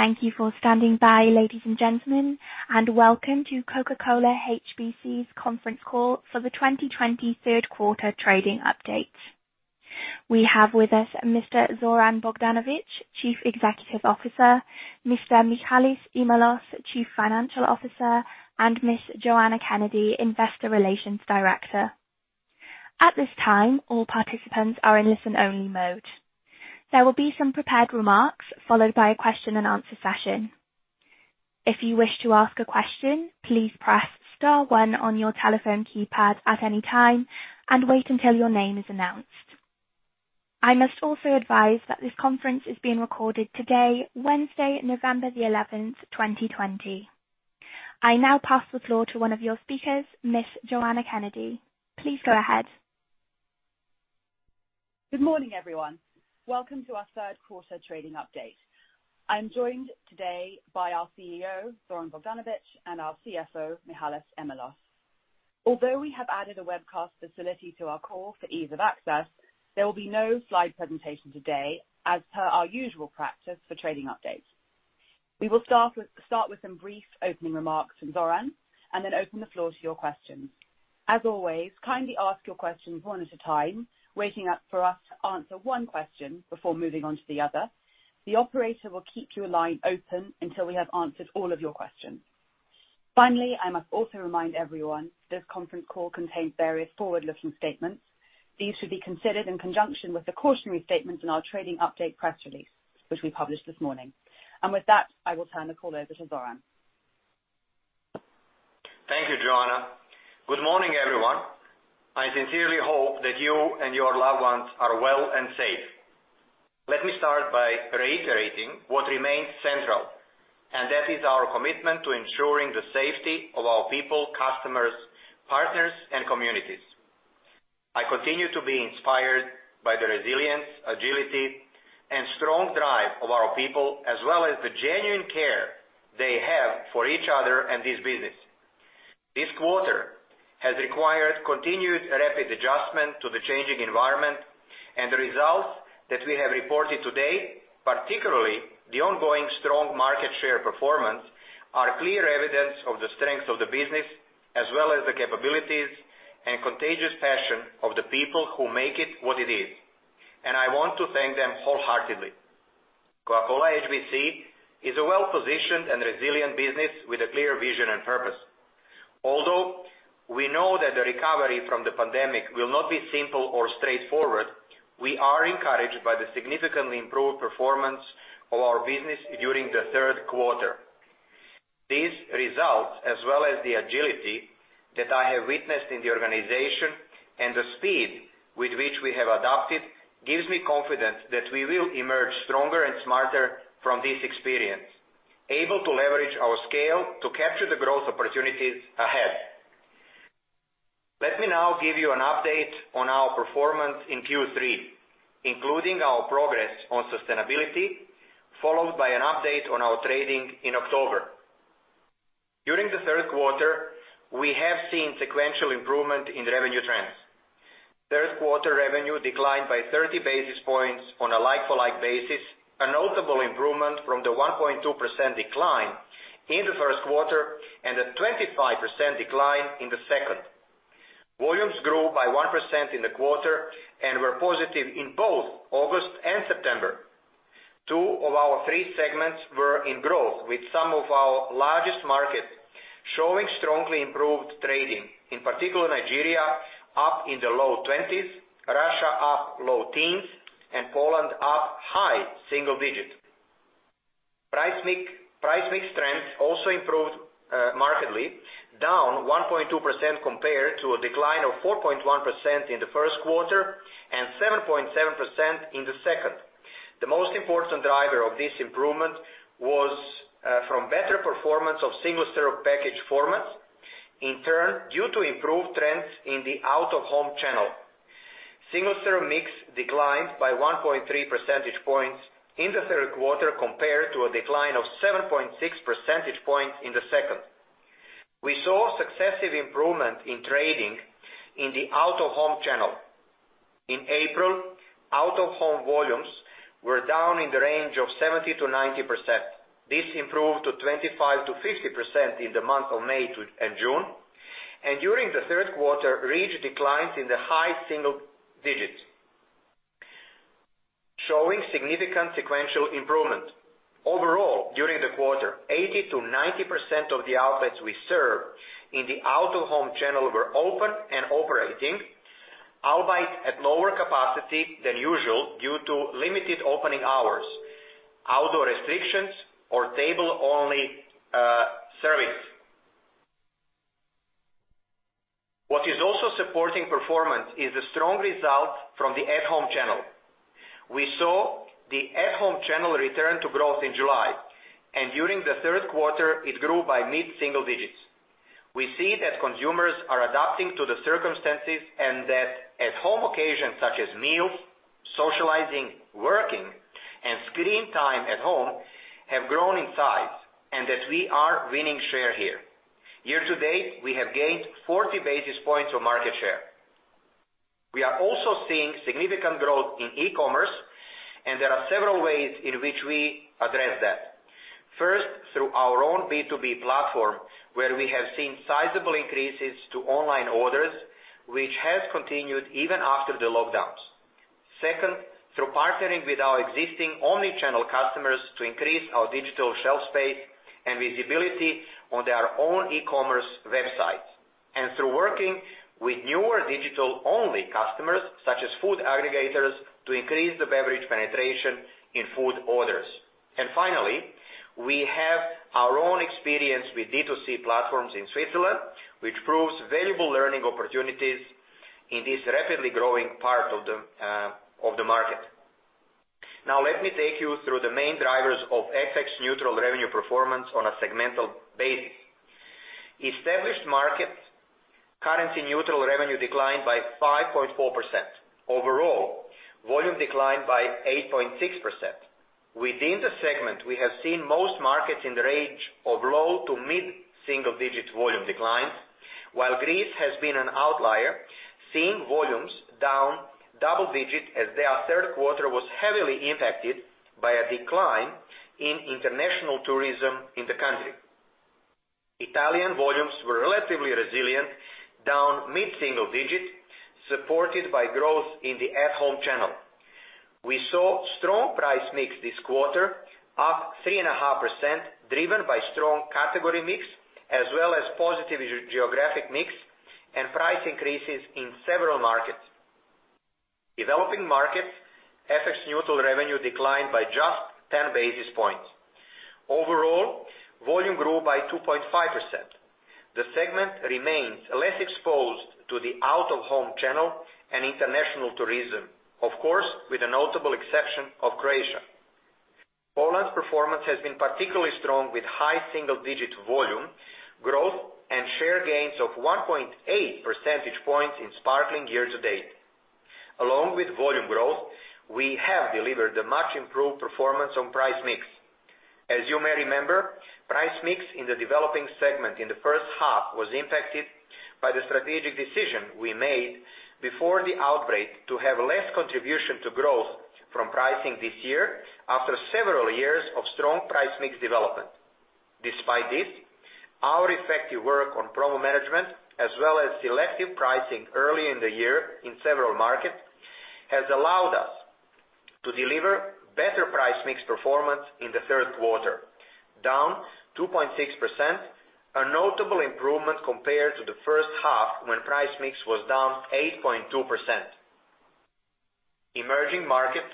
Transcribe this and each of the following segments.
Thank you for standing by, ladies and gentlemen, and welcome to Coca-Cola HBC's conference call for the 2020 third quarter trading update. We have with us Mr. Zoran Bogdanovic, Chief Executive Officer, Mr. Michalis Imellos, Chief Financial Officer, and Ms. Joanna Kennedy, Investor Relations Director. At this time, all participants are in listen-only mode. There will be some prepared remarks followed by a question-and-answer session. If you wish to ask a question, please press star one on your telephone keypad at any time and wait until your name is announced. I must also advise that this conference is being recorded today, Wednesday, November the 11th, 2020. I now pass the floor to one of your speakers, Ms. Joanna Kennedy. Please go ahead. Good morning, everyone. Welcome to our third quarter trading update. I'm joined today by our CEO, Zoran Bogdanovic, and our CFO, Michalis Imellos. Although we have added a webcast facility to our call for ease of access, there will be no slide presentation today, as per our usual practice for trading updates. We will start with some brief opening remarks from Zoran and then open the floor to your questions. As always, kindly ask your questions one at a time, waiting for us to answer one question before moving on to the other. The operator will keep your line open until we have answered all of your questions. Finally, I must also remind everyone this conference call contains various forward-looking statements. These should be considered in conjunction with the cautionary statements in our trading update press release, which we published this morning. With that, I will turn the call over to Zoran. Thank you, Joanna. Good morning, everyone. I sincerely hope that you and your loved ones are well and safe. Let me start by reiterating what remains central, and that is our commitment to ensuring the safety of our people, customers, partners, and communities. I continue to be inspired by the resilience, agility, and strong drive of our people, as well as the genuine care they have for each other and this business. This quarter has required continued rapid adjustment to the changing environment, and the results that we have reported today, particularly the ongoing strong market share performance, are clear evidence of the strength of the business, as well as the capabilities and contagious passion of the people who make it what it is, and I want to thank them wholeheartedly. Coca-Cola HBC is a well-positioned and resilient business with a clear vision and purpose. Although we know that the recovery from the pandemic will not be simple or straightforward, we are encouraged by the significantly improved performance of our business during the third quarter. These results, as well as the agility that I have witnessed in the organization and the speed with which we have adapted, give me confidence that we will emerge stronger and smarter from this experience, able to leverage our scale to capture the growth opportunities ahead. Let me now give you an update on our performance in Q3, including our progress on sustainability, followed by an update on our trading in October. During the third quarter, we have seen sequential improvement in revenue trends. Third quarter revenue declined by 30 basis points on a like-for-like basis, a notable improvement from the 1.2% decline in the first quarter and a 25% decline in the second. Volumes grew by 1% in the quarter and were positive in both August and September. Two of our three segments were in growth, with some of our largest markets showing strongly improved trading, in particular Nigeria up in the low 20s, Russia up low teens, and Poland up high single digit. Price mix trends also improved markedly, down 1.2% compared to a decline of 4.1% in the first quarter and 7.7% in the second. The most important driver of this improvement was from better performance of single-serve package formats, in turn due to improved trends in the out-of-home channel. Single-serve mix declined by 1.3 percentage points in the third quarter compared to a decline of 7.6 percentage points in the second. We saw successive improvement in trading in the out-of-home channel. In April, out-of-home volumes were down in the range of 70%-90%. This improved to 25%-50% in the month of May and June, and during the third quarter, reached declines in the high single digits, showing significant sequential improvement. Overall, during the quarter, 80%-90% of the outlets we serve in the out-of-home channel were open and operating, albeit at lower capacity than usual due to limited opening hours, outdoor restrictions, or table-only service. What is also supporting performance is the strong result from the at-home channel. We saw the at-home channel return to growth in July, and during the third quarter, it grew by mid-single digits. We see that consumers are adapting to the circumstances and that at-home occasions such as meals, socializing, working, and screen time at home have grown in size, and that we are winning share here. Year to date, we have gained 40 basis points of market share. We are also seeing significant growth in e-commerce, and there are several ways in which we address that. First, through our own B2B platform, where we have seen sizable increases to online orders, which has continued even after the lockdowns. Second, through partnering with our existing omnichannel customers to increase our digital shelf space and visibility on their own e-commerce websites, and through working with newer digital-only customers such as food aggregators to increase the beverage penetration in food orders. And finally, we have our own experience with D2C platforms in Switzerland, which proves valuable learning opportunities in this rapidly growing part of the market. Now, let me take you through the main drivers of currency neutral revenue performance on a segmental basis. Established market currency neutral revenue declined by 5.4%. Overall, volume declined by 8.6%. Within the segment, we have seen most markets in the range of low to mid-single digit volume declines, while Greece has been an outlier, seeing volumes down double digits as their third quarter was heavily impacted by a decline in international tourism in the country. Italian volumes were relatively resilient, down mid-single digits, supported by growth in the at-home channel. We saw strong price mix this quarter, up 3.5%, driven by strong category mix, as well as positive geographic mix and price increases in several markets. Developing markets, FX neutral revenue declined by just 10 basis points. Overall, volume grew by 2.5%. The segment remains less exposed to the out-of-home channel and international tourism, of course, with a notable exception of Croatia. Poland's performance has been particularly strong, with high single digit volume growth and share gains of 1.8 percentage points in sparkling year to date. Along with volume growth, we have delivered a much improved performance on price mix. As you may remember, price mix in the developing segment in the first half was impacted by the strategic decision we made before the outbreak to have less contribution to growth from pricing this year after several years of strong price mix development. Despite this, our effective work on problem management, as well as selective pricing early in the year in several markets, has allowed us to deliver better price mix performance in the third quarter, down 2.6%, a notable improvement compared to the first half when price mix was down 8.2%. Emerging market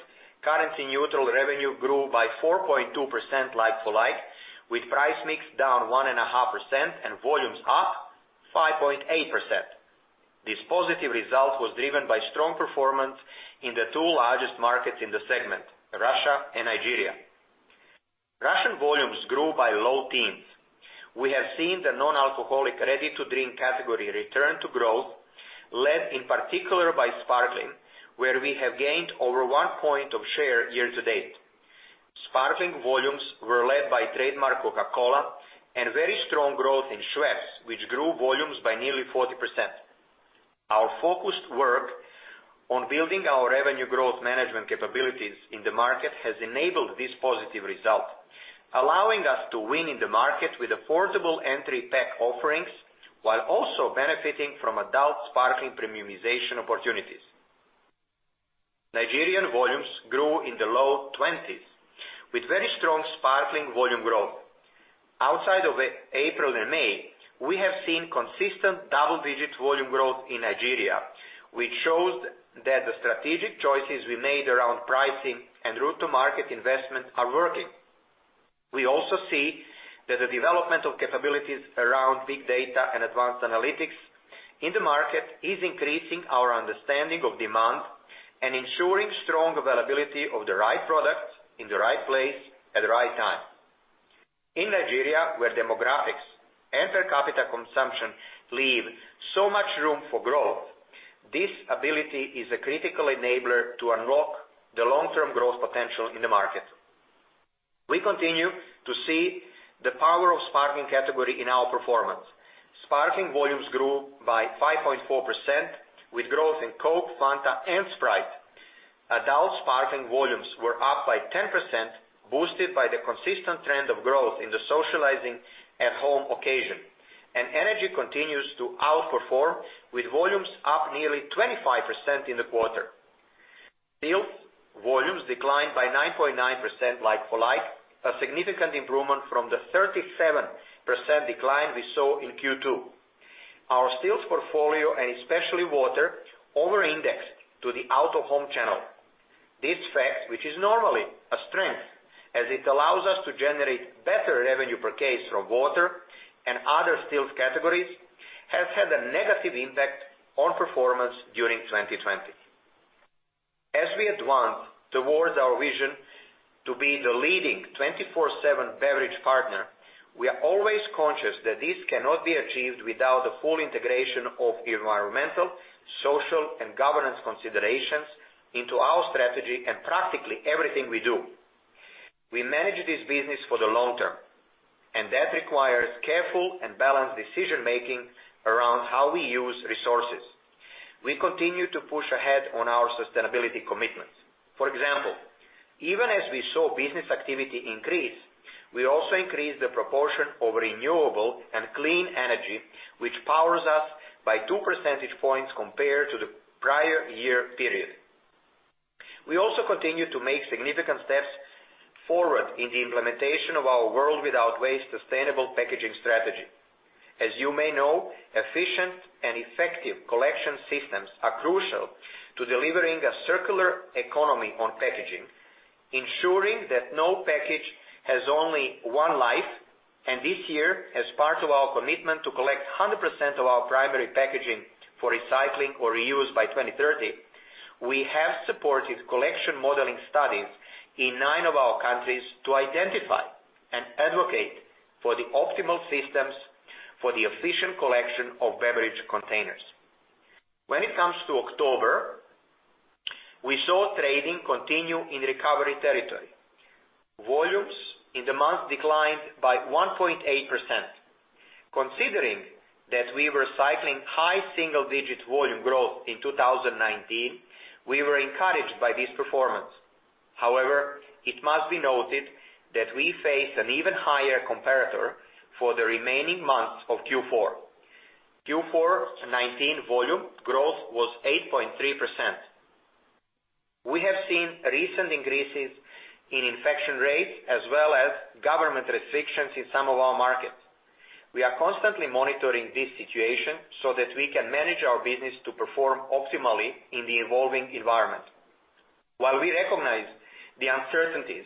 currency neutral revenue grew by 4.2% like-for-like, with price mix down 1.5% and volumes up 5.8%. This positive result was driven by strong performance in the two largest markets in the segment, Russia and Nigeria. Russian volumes grew by low teens. We have seen the non-alcoholic ready-to-drink category return to growth, led in particular by sparkling, where we have gained over one point of share year to date. Sparkling volumes were led by trademark Coca-Cola and very strong growth in Schweppes, which grew volumes by nearly 40%. Our focused work on building our revenue growth management capabilities in the market has enabled this positive result, allowing us to win in the market with affordable entry-pack offerings while also benefiting from adult sparkling premiumization opportunities. Nigerian volumes grew in the low 20s with very strong sparkling volume growth. Outside of April and May, we have seen consistent double-digit volume growth in Nigeria, which shows that the strategic choices we made around pricing and route-to-market investment are working. We also see that the development of capabilities around big data and advanced analytics in the market is increasing our understanding of demand and ensuring strong availability of the right product in the right place at the right time. In Nigeria, where demographics and per capita consumption leave so much room for growth, this ability is a critical enabler to unlock the long-term growth potential in the market. We continue to see the power of sparkling category in our performance. Sparkling volumes grew by 5.4% with growth in Coke, Fanta, and Sprite. Adult sparkling volumes were up by 10%, boosted by the consistent trend of growth in the socializing at-home occasion, and energy continues to outperform with volumes up nearly 25% in the quarter. Stills volumes declined by 9.9% like-for-like, a significant improvement from the 37% decline we saw in Q2. Our still portfolio, and especially water, over-indexed to the out-of-home channel. This fact, which is normally a strength as it allows us to generate better revenue per case from water and other still categories, has had a negative impact on performance during 2020. As we advance towards our vision to be the leading 24/7 beverage partner, we are always conscious that this cannot be achieved without the full integration of environmental, social, and governance considerations into our strategy and practically everything we do. We manage this business for the long term, and that requires careful and balanced decision-making around how we use resources. We continue to push ahead on our sustainability commitments. For example, even as we saw business activity increase, we also increased the proportion of renewable and clean energy, which powers us by 2 percentage points compared to the prior year period. We also continue to make significant steps forward in the implementation of our World Without Waste sustainable packaging strategy. As you may know, efficient and effective collection systems are crucial to delivering a circular economy on packaging, ensuring that no package has only one life, and this year, as part of our commitment to collect 100% of our primary packaging for recycling or reuse by 2030, we have supported collection modeling studies in nine of our countries to identify and advocate for the optimal systems for the efficient collection of beverage containers. When it comes to October, we saw trading continue in recovery territory. Volumes in the month declined by 1.8%. Considering that we were cycling high single-digit volume growth in 2019, we were encouraged by this performance. However, it must be noted that we faced an even higher comparator for the remaining months of Q4. Q4 2019 volume growth was 8.3%. We have seen recent increases in infection rates as well as government restrictions in some of our markets. We are constantly monitoring this situation so that we can manage our business to perform optimally in the evolving environment. While we recognize the uncertainties,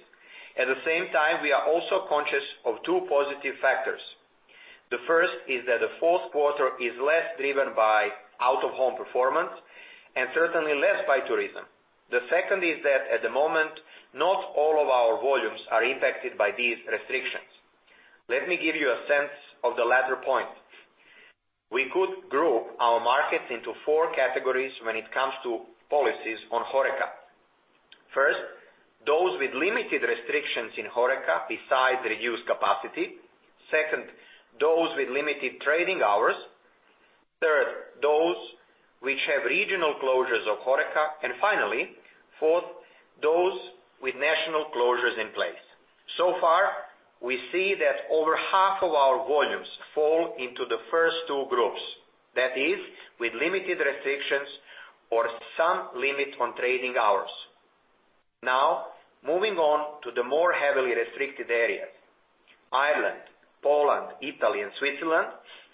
at the same time, we are also conscious of two positive factors. The first is that the fourth quarter is less driven by out-of-home performance and certainly less by tourism. The second is that at the moment, not all of our volumes are impacted by these restrictions. Let me give you a sense of the latter point. We could group our markets into four categories when it comes to policies on HoReCa. First, those with limited restrictions in HoReCa besides reduced capacity. Second, those with limited trading hours. Third, those which have regional closures of HoReCa. And finally, fourth, those with national closures in place. So far, we see that over half of our volumes fall into the first two groups, that is, with limited restrictions or some limit on trading hours. Now, moving on to the more heavily restricted areas, Ireland, Poland, Italy, and Switzerland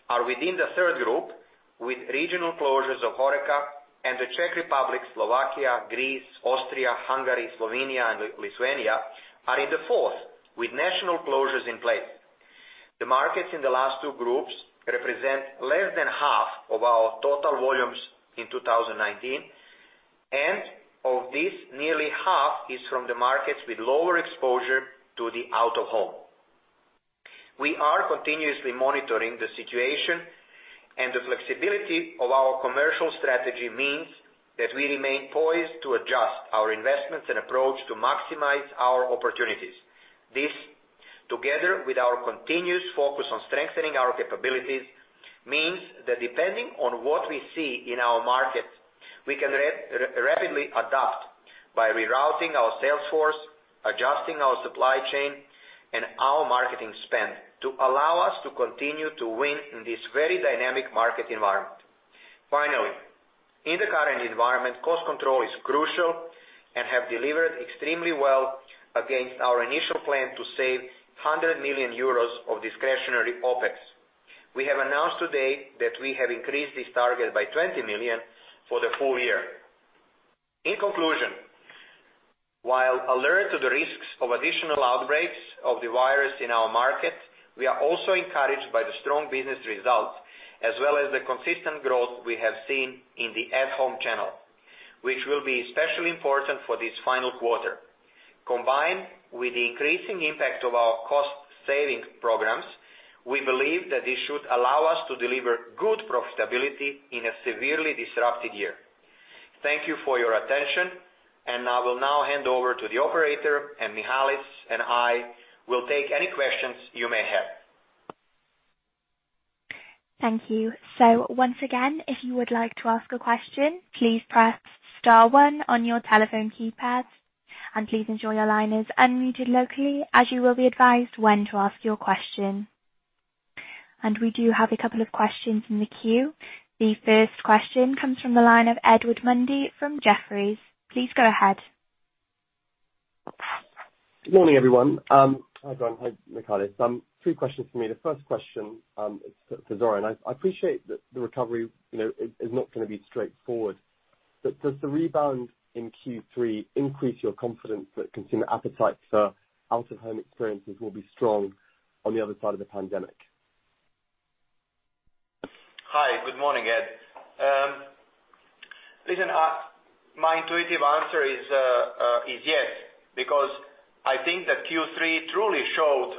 are within the third group with regional closures of HoReCa, and the Czech Republic, Slovakia, Greece, Austria, Hungary, Slovenia, and Lithuania are in the fourth with national closures in place. The markets in the last two groups represent less than half of our total volumes in 2019, and of this, nearly half is from the markets with lower exposure to the out-of-home. We are continuously monitoring the situation, and the flexibility of our commercial strategy means that we remain poised to adjust our investments and approach to maximize our opportunities. This, together with our continuous focus on strengthening our capabilities, means that depending on what we see in our markets, we can rapidly adapt by rerouting our sales force, adjusting our supply chain, and our marketing spend to allow us to continue to win in this very dynamic market environment. Finally, in the current environment, cost control is crucial and has delivered extremely well against our initial plan to save 100 million euros of discretionary OPEX. We have announced today that we have increased this target by 20 million for the full year. In conclusion, while alert to the risks of additional outbreaks of the virus in our market, we are also encouraged by the strong business results as well as the consistent growth we have seen in the at-home channel, which will be especially important for this final quarter. Combined with the increasing impact of our cost-saving programs, we believe that this should allow us to deliver good profitability in a severely disrupted year. Thank you for your attention, and I will now hand over to the operator, and Michalis and I will take any questions you may have. Thank you. So once again, if you would like to ask a question, please press star one on your telephone keypad, and please ensure your line is unmuted locally, as you will be advised when to ask your question. And we do have a couple of questions in the queue. The first question comes from the line of Edward Mundy from Jefferies. Please go ahead. Good morning, everyone. Hi, Zoran. Hi, Michalis. Two questions for me. The first question is for Zoran. I appreciate that the recovery is not going to be straightforward, but does the rebound in Q3 increase your confidence that consumer appetite for out-of-home experiences will be strong on the other side of the pandemic? Hi. Good morning, Ed. Listen, my intuitive answer is yes, because I think that Q3 truly showed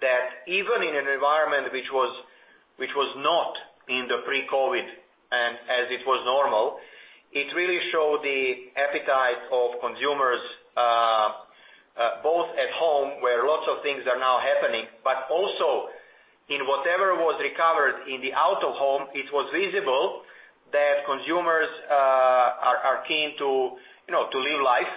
that even in an environment which was not in the pre-COVID, and as it was normal, it really showed the appetite of consumers both at home, where lots of things are now happening, but also in whatever was recovered in the out-of-home, it was visible that consumers are keen to live life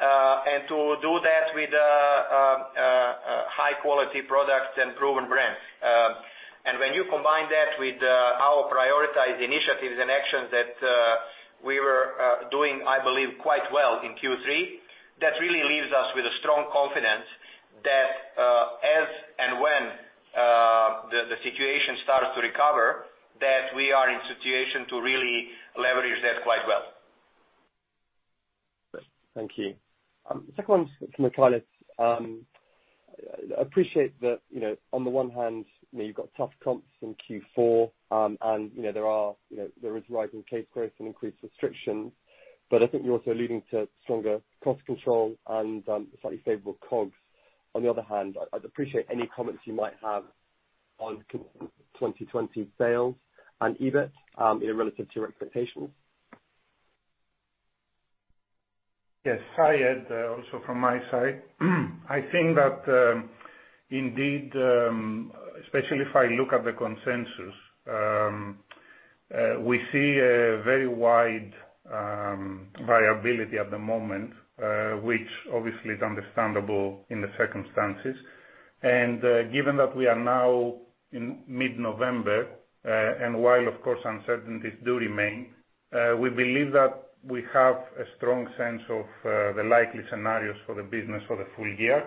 and to do that with high-quality products and proven brands. And when you combine that with our prioritized initiatives and actions that we were doing, I believe, quite well in Q3, that really leaves us with a strong confidence that as and when the situation starts to recover, that we are in a situation to really leverage that quite well. Thank you. Second one from Michalis. I appreciate that on the one hand, you've got tough comps in Q4, and there is rising case growth and increased restrictions, but I think you're also leading to stronger cost control and slightly favorable COGS. On the other hand, I'd appreciate any comments you might have on 2020 sales and EBIT relative to your expectations. Yes. Hi, Ed, also from my side. I think that indeed, especially if I look at the consensus, we see a very wide variability at the moment, which obviously is understandable in the circumstances. And given that we are now in mid-November, and while, of course, uncertainties do remain, we believe that we have a strong sense of the likely scenarios for the business for the full year.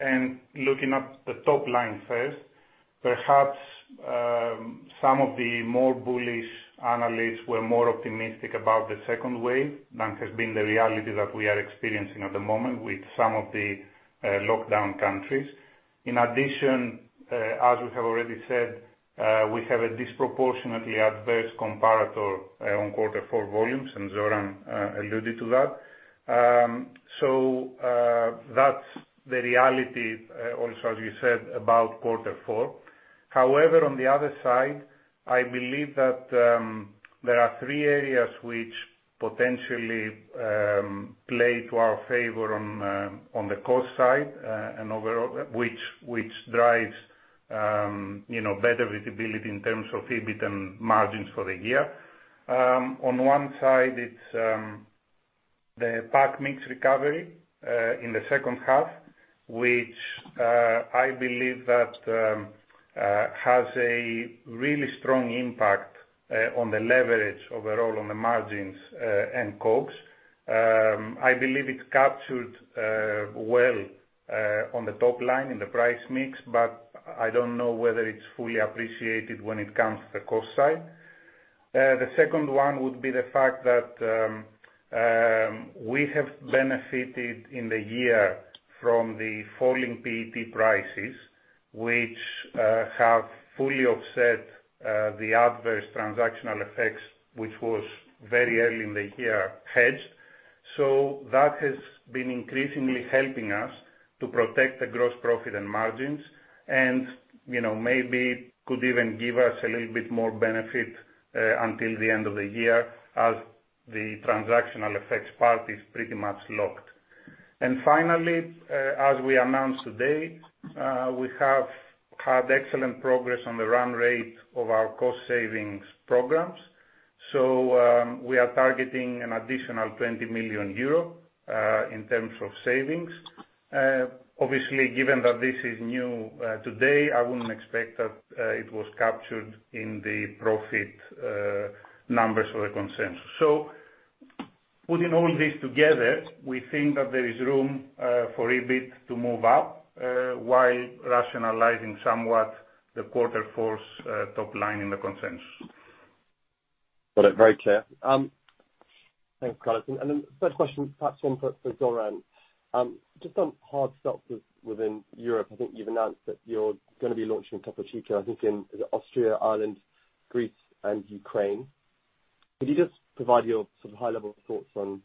And looking at the top line first, perhaps some of the more bullish analysts were more optimistic about the second wave than has been the reality that we are experiencing at the moment with some of the lockdown countries. In addition, as we have already said, we have a disproportionately adverse comparator on quarter four volumes, and Zoran alluded to that. So that's the reality also, as you said, about quarter four. However, on the other side, I believe that there are three areas which potentially play to our favor on the cost side, which drives better visibility in terms of EBIT and margins for the year. On one side, it's the pack mix recovery in the second half, which I believe that has a really strong impact on the leverage overall on the margins and COGS. I believe it captured well on the top line in the price mix, but I don't know whether it's fully appreciated when it comes to the cost side. The second one would be the fact that we have benefited in the year from the falling PET prices, which have fully offset the adverse transactional effects, which was very early in the year hedged. So that has been increasingly helping us to protect the gross profit and margins, and maybe could even give us a little bit more benefit until the end of the year as the transactional effects part is pretty much locked. And finally, as we announced today, we have had excellent progress on the run rate of our cost savings programs. So we are targeting an additional 20 million euro in terms of savings. Obviously, given that this is new today, I wouldn't expect that it was captured in the profit numbers of the consensus. So putting all this together, we think that there is room for EBIT to move up while rationalizing somewhat the quarter four's top line in the consensus. Got it. Very clear. Thanks, Michalis. And then the third question, perhaps one for Zoran. Just on hard seltzers within Europe, I think you've announced that you're going to be launching Topo Chico, I think, in Austria, Ireland, Greece, and Ukraine. Could you just provide your sort of high-level thoughts on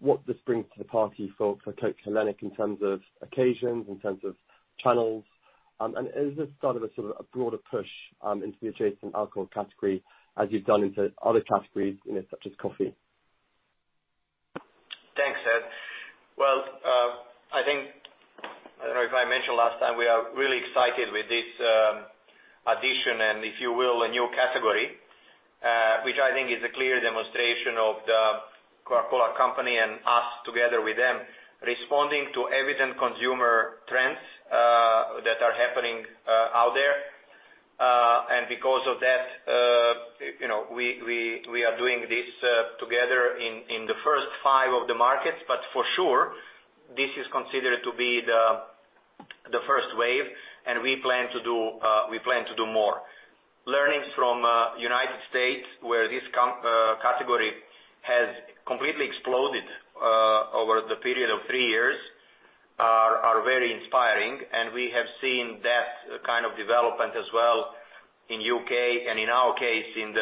what this brings to the party for Coca-Cola HBC in terms of occasions, in terms of channels? And is this sort of a broader push into the adjacent alcohol category as you've done into other categories such as coffee? Thanks, Ed. I don't know if I mentioned last time, we are really excited with this addition, and if you will, a new category, which I think is a clear demonstration of the Coca-Cola Company and us together with them responding to evident consumer trends that are happening out there. Because of that, we are doing this together in the first five of the markets, but for sure, this is considered to be the first wave, and we plan to do more. Learnings from the United States, where this category has completely exploded over the period of three years, are very inspiring, and we have seen that kind of development as well in the U.K. and, in our case, in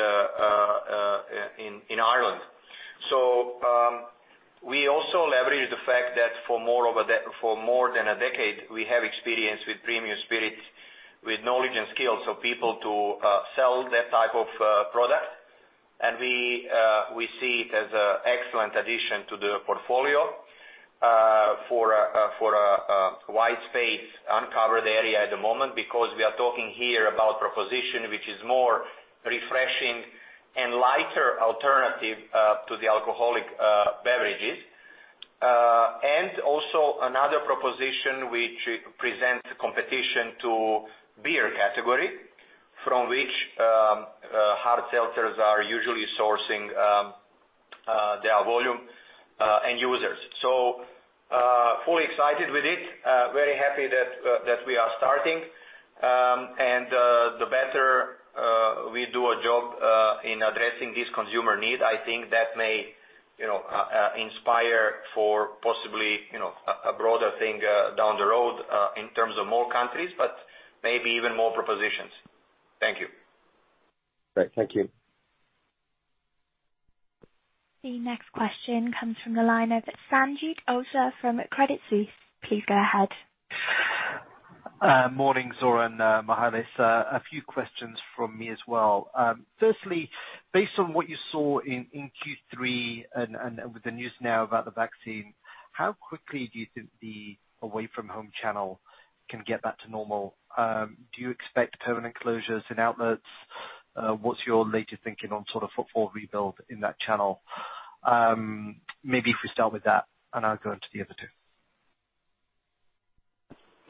Ireland. So we also leverage the fact that for more than a decade, we have experience with premium spirits with knowledge and skills of people to sell that type of product, and we see it as an excellent addition to the portfolio for a wide space uncovered area at the moment because we are talking here about a proposition which is more refreshing and lighter alternative to the alcoholic beverages, and also another proposition which presents competition to the beer category from which hard seltzers are usually sourcing their volume and users. So fully excited with it, very happy that we are starting, and the better we do our job in addressing this consumer need, I think that may inspire for possibly a broader thing down the road in terms of more countries, but maybe even more propositions. Thank you. Great. Thank you. The next question comes from the line of Sanjeet Aujla from Credit Suisse. Please go ahead. Morning, Zoran, Michalis. A few questions from me as well. Firstly, based on what you saw in Q3 and with the news now about the vaccine, how quickly do you think the away-from-home channel can get back to normal? Do you expect permanent closures in outlets? What's your latest thinking on sort of a full rebuild in that channel? Maybe if we start with that, and I'll go into the other two.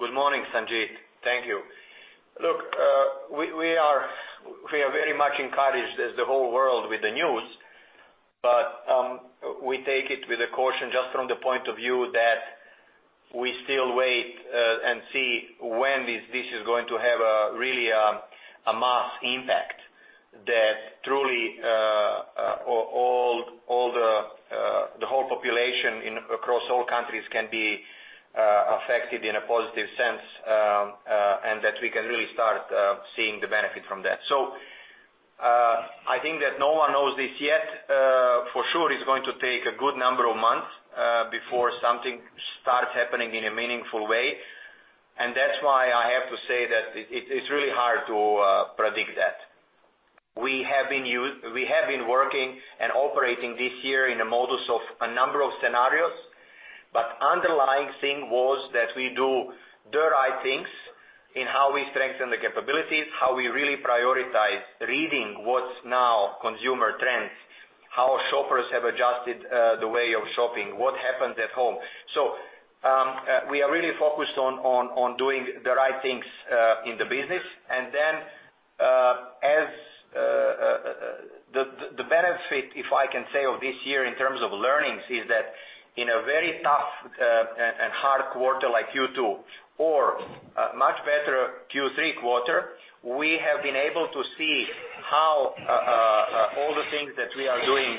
Good morning, Sanjeet. Thank you. Look, we are very much encouraged as the whole world with the news, but we take it with caution just from the point of view that we still wait and see when this is going to have really a mass impact that truly all the whole population across all countries can be affected in a positive sense and that we can really start seeing the benefit from that. So I think that no one knows this yet. For sure, it's going to take a good number of months before something starts happening in a meaningful way, and that's why I have to say that it's really hard to predict that. We have been working and operating this year in a mode of a number of scenarios, but the underlying thing was that we do the right things in how we strengthen the capabilities, how we really prioritize reading what's now consumer trends, how shoppers have adjusted the way of shopping, what happens at home. So we are really focused on doing the right things in the business, and then the benefit, if I can say, of this year in terms of learnings is that in a very tough and hard quarter like Q2 or a much better Q3 quarter, we have been able to see how all the things that we are doing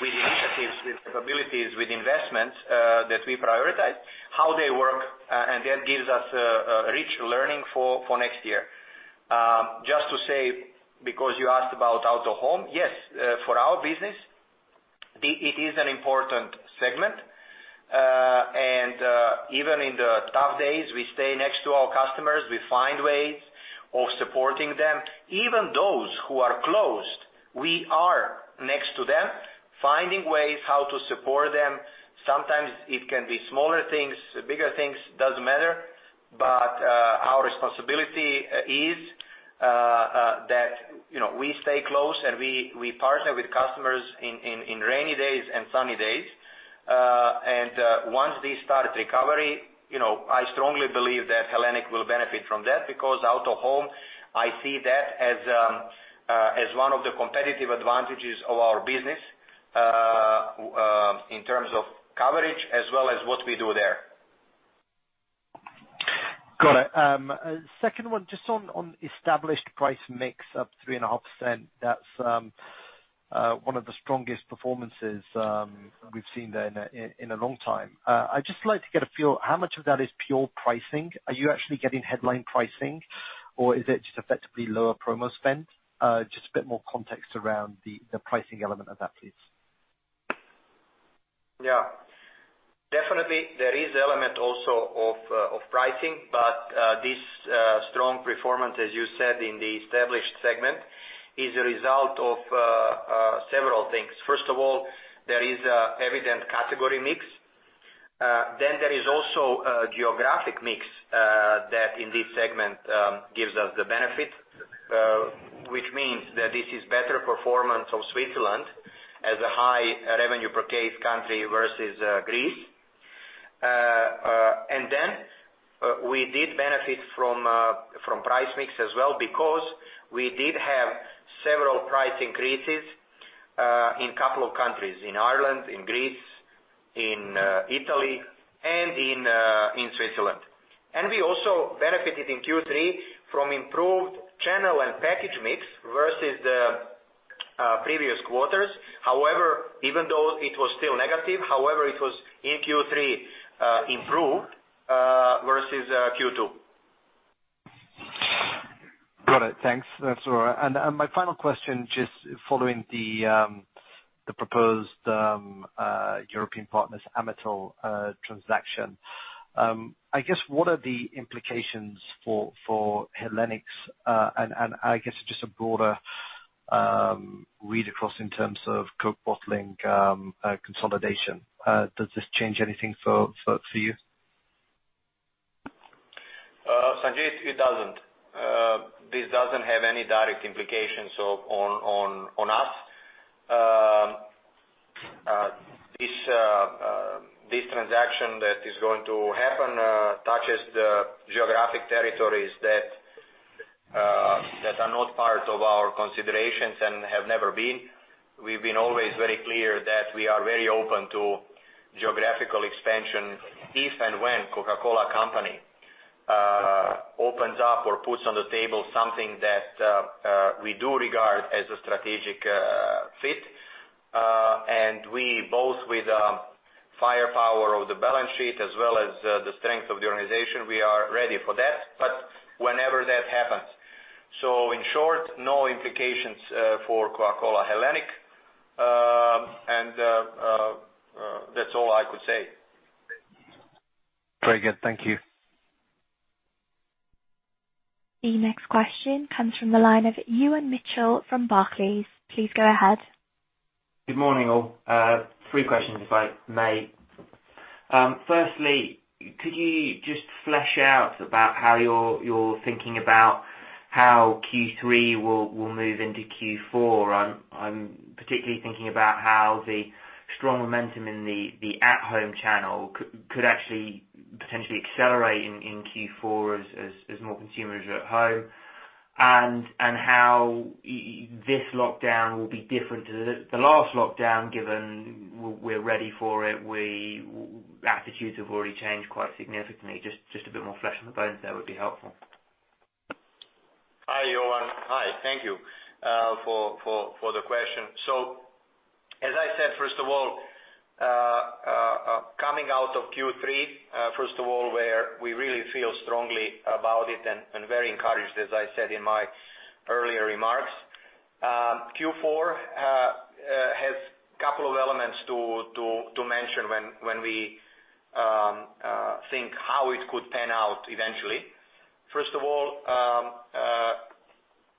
with initiatives, with capabilities, with investments that we prioritize, how they work, and that gives us rich learning for next year. Just to say, because you asked about out-of-home, yes, for our business, it is an important segment, and even in the tough days, we stay next to our customers. We find ways of supporting them. Even those who are closed, we are next to them, finding ways how to support them. Sometimes it can be smaller things, bigger things, it doesn't matter, but our responsibility is that we stay close and we partner with customers in rainy days and sunny days, and once this starts recovery, I strongly believe that Hellenic will benefit from that because out-of-home, I see that as one of the competitive advantages of our business in terms of coverage as well as what we do there. Got it. Second one, just on established price mix up 3.5%, that's one of the strongest performances we've seen there in a long time. I'd just like to get a feel how much of that is pure pricing. Are you actually getting headline pricing, or is it just effectively lower promo spend? Just a bit more context around the pricing element of that, please. Yeah. Definitely, there is an element also of pricing, but this strong performance, as you said, in the established segment is a result of several things. First of all, there is an evident category mix. Then there is also a geographic mix that in this segment gives us the benefit, which means that this is better performance of Switzerland as a high revenue per case country versus Greece. And then we did benefit from price mix as well because we did have several price increases in a couple of countries: in Ireland, in Greece, in Italy, and in Switzerland. And we also benefited in Q3 from improved channel and package mix versus the previous quarters. However, even though it was still negative, however, it was in Q3 improved versus Q2. Got it. Thanks. That's all right. And my final question, just following the proposed Coca-Cola European Partners' Amatil transaction, I guess, what are the implications for Hellenic's and I guess just a broader read across in terms of Coke bottling consolidation? Does this change anything for you? Sanjeet, it doesn't. This doesn't have any direct implications on us. This transaction that is going to happen touches the geographic territories that are not part of our considerations and have never been. We've been always very clear that we are very open to geographical expansion if and when Coca-Cola Company opens up or puts on the table something that we do regard as a strategic fit. And we both, with the firepower of the balance sheet as well as the strength of the organization, we are ready for that, but whenever that happens. So in short, no implications for Coca-Cola HBC, and that's all I could say. Very good. Thank you. The next question comes from the line of Ewan Mitchell from Barclays. Please go ahead. Good morning, all. Three questions, if I may. Firstly, could you just flesh out about how you're thinking about how Q3 will move into Q4? I'm particularly thinking about how the strong momentum in the at-home channel could actually potentially accelerate in Q4 as more consumers are at home and how this lockdown will be different to the last lockdown given we're ready for it. Attitudes have already changed quite significantly. Just a bit more flesh on the bones there would be helpful. Hi, Ewan. Hi. Thank you for the question. So as I said, first of all, coming out of Q3, first of all, where we really feel strongly about it and very encouraged, as I said in my earlier remarks. Q4 has a couple of elements to mention when we think how it could pan out eventually. First of all,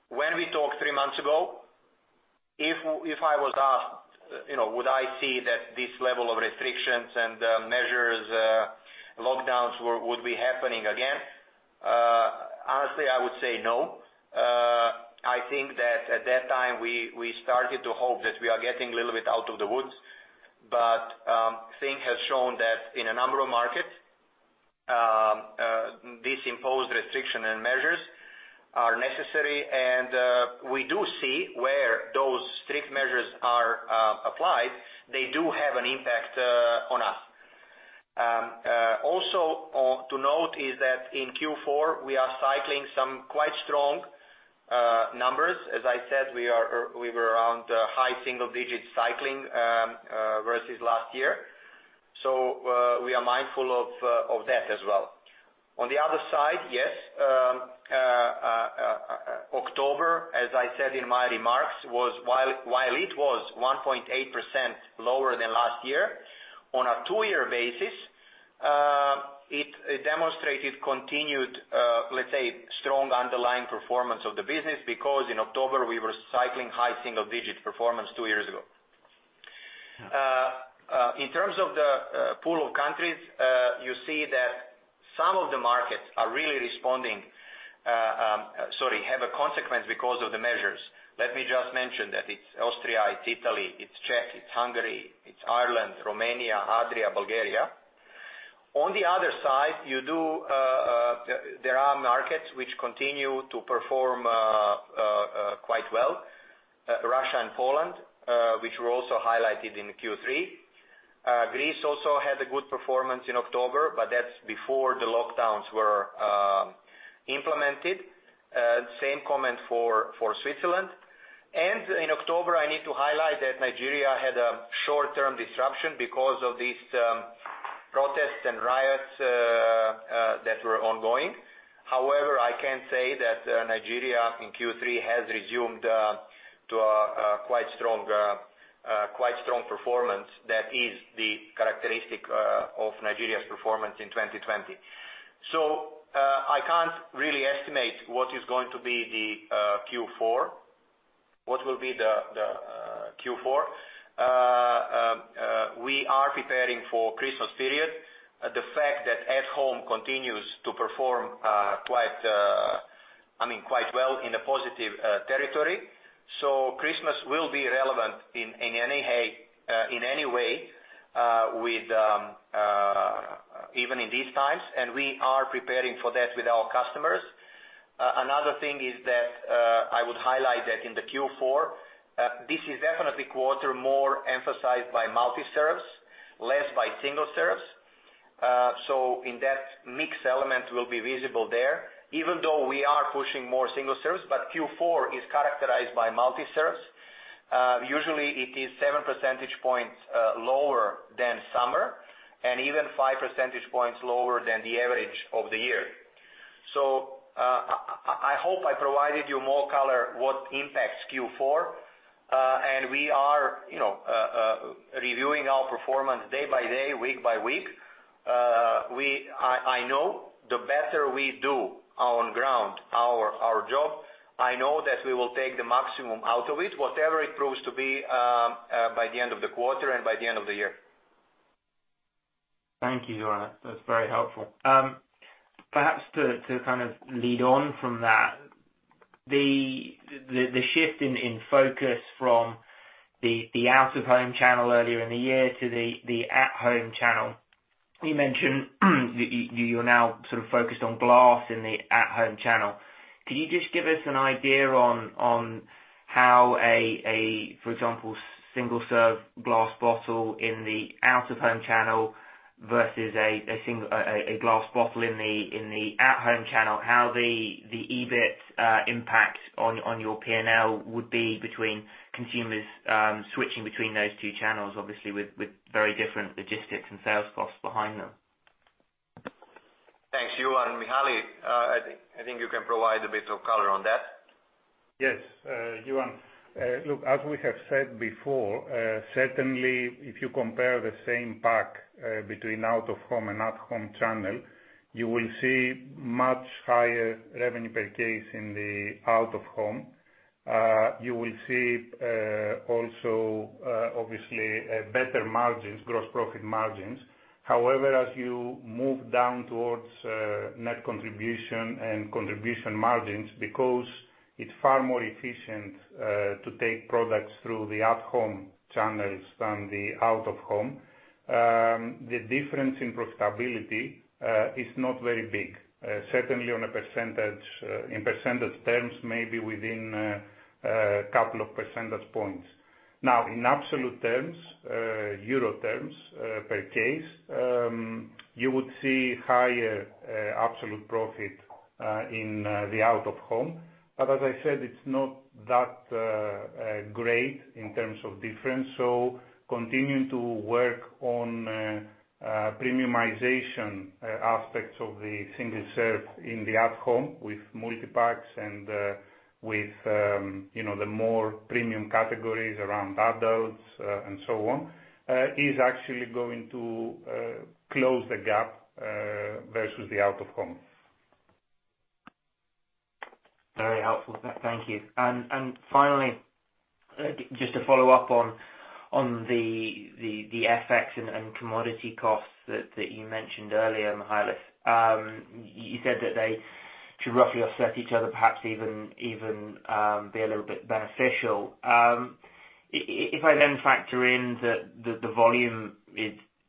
when we talked three months ago, if I was asked, would I see that this level of restrictions and measures, lockdowns, would be happening again? Honestly, I would say no. I think that at that time, we started to hope that we are getting a little bit out of the woods, but things have shown that in a number of markets, these imposed restrictions and measures are necessary, and we do see where those strict measures are applied. They do have an impact on us. Also to note is that in Q4, we are cycling some quite strong numbers. As I said, we were around high single-digit cycling versus last year. So we are mindful of that as well. On the other side, yes, October, as I said in my remarks, while it was 1.8% lower than last year, on a two-year basis, it demonstrated continued, let's say, strong underlying performance of the business because in October, we were cycling high single-digit performance two years ago. In terms of the pool of countries, you see that some of the markets are really responding. Sorry, have a consequence because of the measures. Let me just mention that it's Austria, it's Italy, it's Czech, it's Hungary, it's Ireland, Romania, Adria, Bulgaria. On the other side, there are markets which continue to perform quite well: Russia and Poland, which were also highlighted in Q3. Greece also had a good performance in October, but that's before the lockdowns were implemented. Same comment for Switzerland, and in October, I need to highlight that Nigeria had a short-term disruption because of these protests and riots that were ongoing. However, I can say that Nigeria in Q3 has resumed to a quite strong performance that is the characteristic of Nigeria's performance in 2020, so I can't really estimate what is going to be the Q4, what will be the Q4. We are preparing for Christmas period. The fact that at-home continues to perform quite—I mean, quite well in a positive territory, so Christmas will be relevant in any way even in these times, and we are preparing for that with our customers. Another thing is that I would highlight that in the Q4, this is definitely quarter more emphasized by multi-serves, less by single-serves. So in that mix element will be visible there, even though we are pushing more single-serves, but Q4 is characterized by multi-serves. Usually, it is 7 percentage points lower than summer and even 5 percentage points lower than the average of the year. So I hope I provided you more color what impacts Q4, and we are reviewing our performance day by day, week by week. I know the better we do on ground our job, I know that we will take the maximum out of it, whatever it proves to be by the end of the quarter and by the end of the year. Thank you, Zoran. That's very helpful. Perhaps to kind of lead on from that, the shift in focus from the out-of-home channel earlier in the year to the at-home channel, you mentioned that you're now sort of focused on glass in the at-home channel. Could you just give us an idea on how a, for example, single-serve glass bottle in the out-of-home channel versus a glass bottle in the at-home channel, how the EBIT impact on your P&L would be between consumers switching between those two channels, obviously with very different logistics and sales costs behind them? Thanks, Ewan and Michalis. I think you can provide a bit of color on that. Yes, Ewan. Look, as we have said before, certainly if you compare the same pack between out-of-home and at-home channel, you will see much higher revenue per case in the out-of-home. You will see also, obviously, better margins, gross profit margins. However, as you move down towards net contribution and contribution margins, because it's far more efficient to take products through the at-home channels than the out-of-home, the difference in profitability is not very big. Certainly on a percentage terms, maybe within a couple of percentage points. Now, in absolute terms, euro terms per case, you would see higher absolute profit in the out-of-home. But as I said, it's not that great in terms of difference. Continuing to work on premiumization aspects of the single-serve in the at-home with multi-packs and with the more premium categories around adults and so on is actually going to close the gap versus the out-of-home. Very helpful. Thank you. And finally, just to follow up on the FX and commodity costs that you mentioned earlier, Michalis, you said that they should roughly offset each other, perhaps even be a little bit beneficial. If I then factor in the volume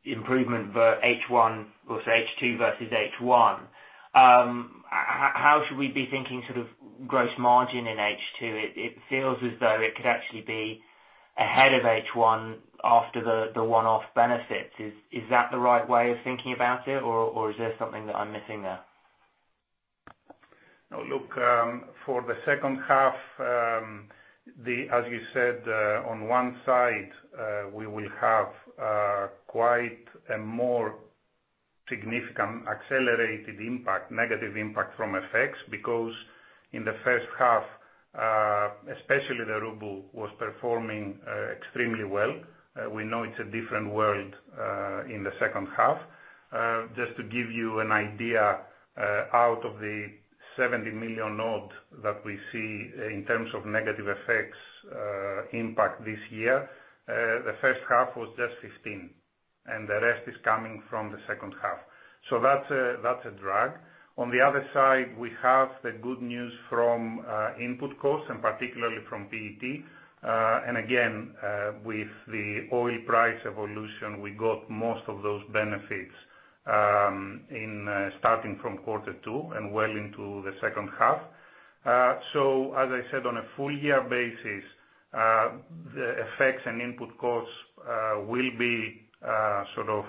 improvement versus H2 versus H1, how should we be thinking sort of gross margin in H2? It feels as though it could actually be ahead of H1 after the one-off benefits. Is that the right way of thinking about it, or is there something that I'm missing there? Look, for the second half, as you said, on one side, we will have quite a more significant accelerated impact, negative impact from FX, because in the first half, especially the ruble was performing extremely well. We know it's a different world in the second half. Just to give you an idea, out of the 70 million that we see in terms of negative FX impact this year, the first half was just 15 million, and the rest is coming from the second half. So that's a drag. On the other side, we have the good news from input costs and particularly from PET. And again, with the oil price evolution, we got most of those benefits starting from quarter two and well into the second half. So as I said, on a full-year basis, the FX and input costs will be sort of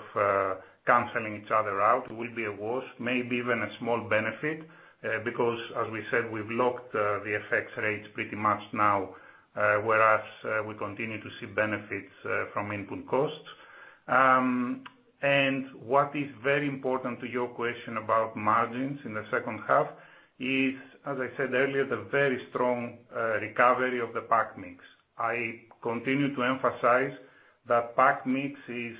canceling each other out. It will be a wash, maybe even a small benefit, because as we said, we've locked the FX rates pretty much now, whereas we continue to see benefits from input costs, and what is very important to your question about margins in the second half is, as I said earlier, the very strong recovery of the pack mix. I continue to emphasize that pack mix is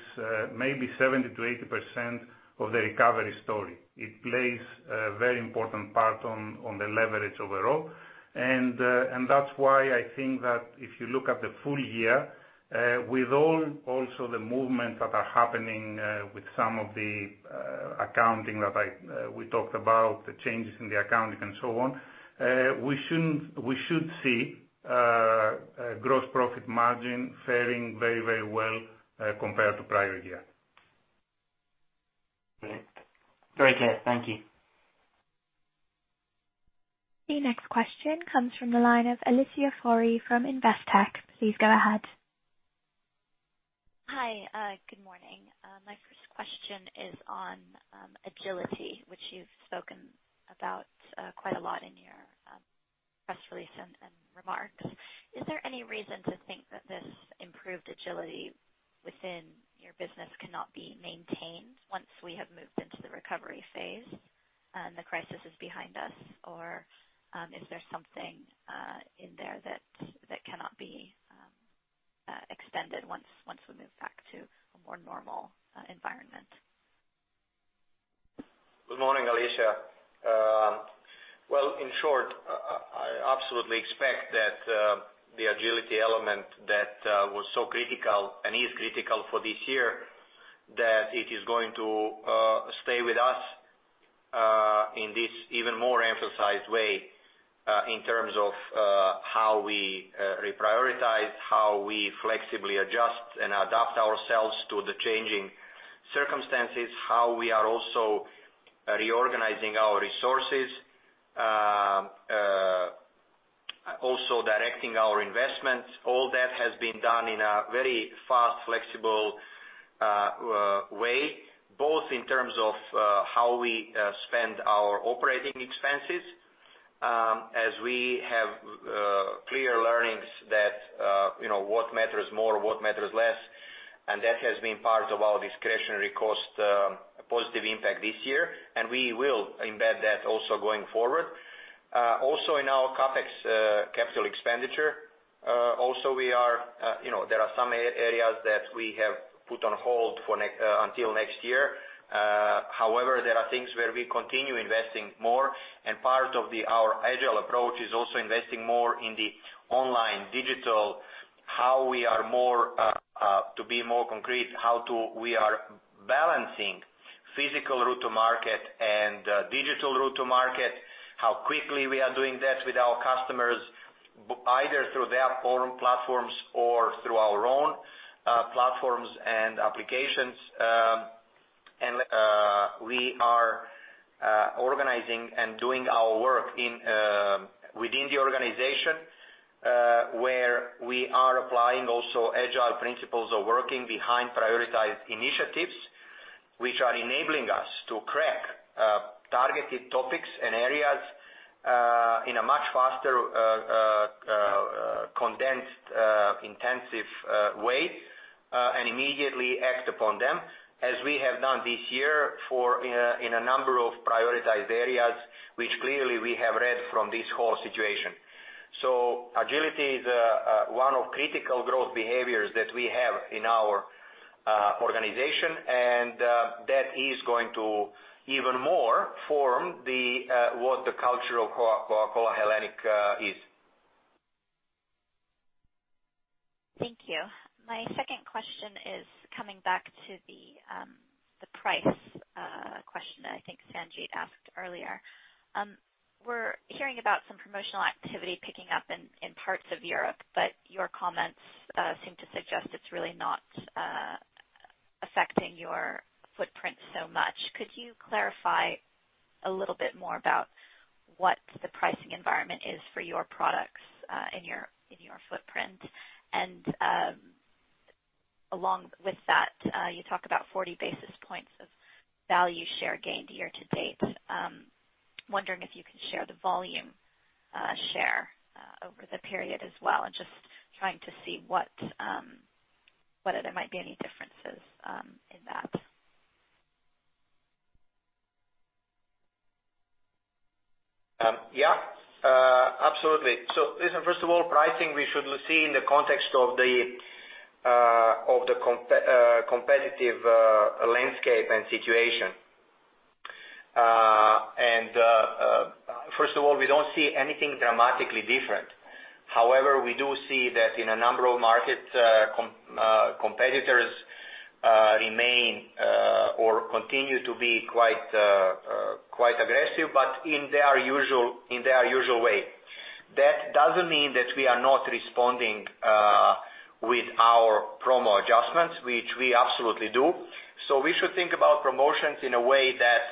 maybe 70%-80% of the recovery story. It plays a very important part on the leverage overall, and that's why I think that if you look at the full year, with all also the movements that are happening with some of the accounting that we talked about, the changes in the accounting and so on, we should see gross profit margin faring very, very well compared to prior year. Great. Very clear. Thank you. The next question comes from the line of Alicia Forry from Investec. Please go ahead. Hi. Good morning. My first question is on agility, which you've spoken about quite a lot in your press release and remarks. Is there any reason to think that this improved agility within your business cannot be maintained once we have moved into the recovery phase and the crisis is behind us, or is there something in there that cannot be extended once we move back to a more normal environment? Good morning, Alicia. Well, in short, I absolutely expect that the agility element that was so critical and is critical for this year, that it is going to stay with us in this even more emphasized way in terms of how we reprioritize, how we flexibly adjust and adapt ourselves to the changing circumstances, how we are also reorganizing our resources, also directing our investments. All that has been done in a very fast, flexible way, both in terms of how we spend our operating expenses, as we have clear learnings that what matters more, what matters less, and that has been part of our discretionary cost positive impact this year, and we will embed that also going forward. Also in our CapEx capital expenditure, also there are some areas that we have put on hold until next year. However, there are things where we continue investing more, and part of our agile approach is also investing more in the online digital, how we are more to be more concrete, how we are balancing physical route to market and digital route to market, how quickly we are doing that with our customers, either through their platforms or through our own platforms and applications. And we are organizing and doing our work within the organization where we are applying also agile principles of working behind prioritized initiatives, which are enabling us to crack targeted topics and areas in a much faster condensed, intensive way and immediately act upon them, as we have done this year in a number of prioritized areas, which clearly we have read from this whole situation. Agility is one of critical growth behaviors that we have in our organization, and that is going to even more form what the culture of Coca-Cola HBC is. Thank you. My second question is coming back to the price question that I think Sanjeet asked earlier. We're hearing about some promotional activity picking up in parts of Europe, but your comments seem to suggest it's really not affecting your footprint so much. Could you clarify a little bit more about what the pricing environment is for your products in your footprint? And along with that, you talk about 40 basis points of value share gained year to date. Wondering if you can share the volume share over the period as well, and just trying to see whether there might be any differences in that. Yeah. Absolutely. So listen, first of all, pricing we should see in the context of the competitive landscape and situation. And first of all, we don't see anything dramatically different. However, we do see that in a number of markets, competitors remain or continue to be quite aggressive, but in their usual way. That doesn't mean that we are not responding with our promo adjustments, which we absolutely do. So we should think about promotions in a way that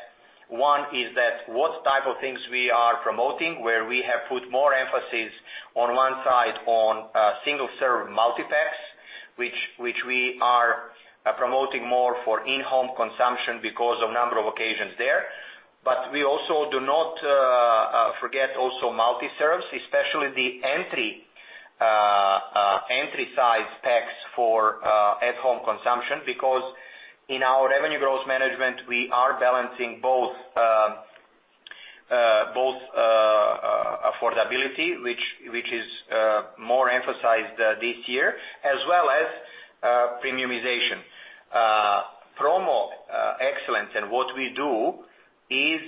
one is that what type of things we are promoting, where we have put more emphasis on one side on single-serve multi-packs, which we are promoting more for in-home consumption because of number of occasions there. But we also do not forget multi-serves, especially the entry-size packs for at-home consumption, because in our revenue growth management, we are balancing both affordability, which is more emphasized this year, as well as premiumization. Promo excellence and what we do is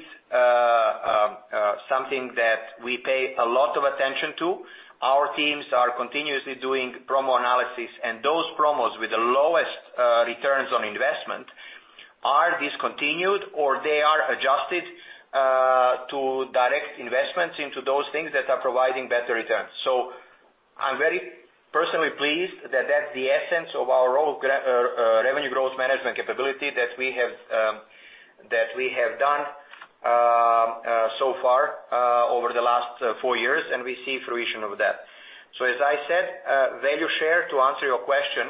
something that we pay a lot of attention to. Our teams are continuously doing promo analysis, and those promos with the lowest returns on investment are discontinued or they are adjusted to direct investments into those things that are providing better returns. So I'm very personally pleased that that's the essence of our revenue growth management capability that we have done so far over the last four years, and we see fruition of that. As I said, value share, to answer your question,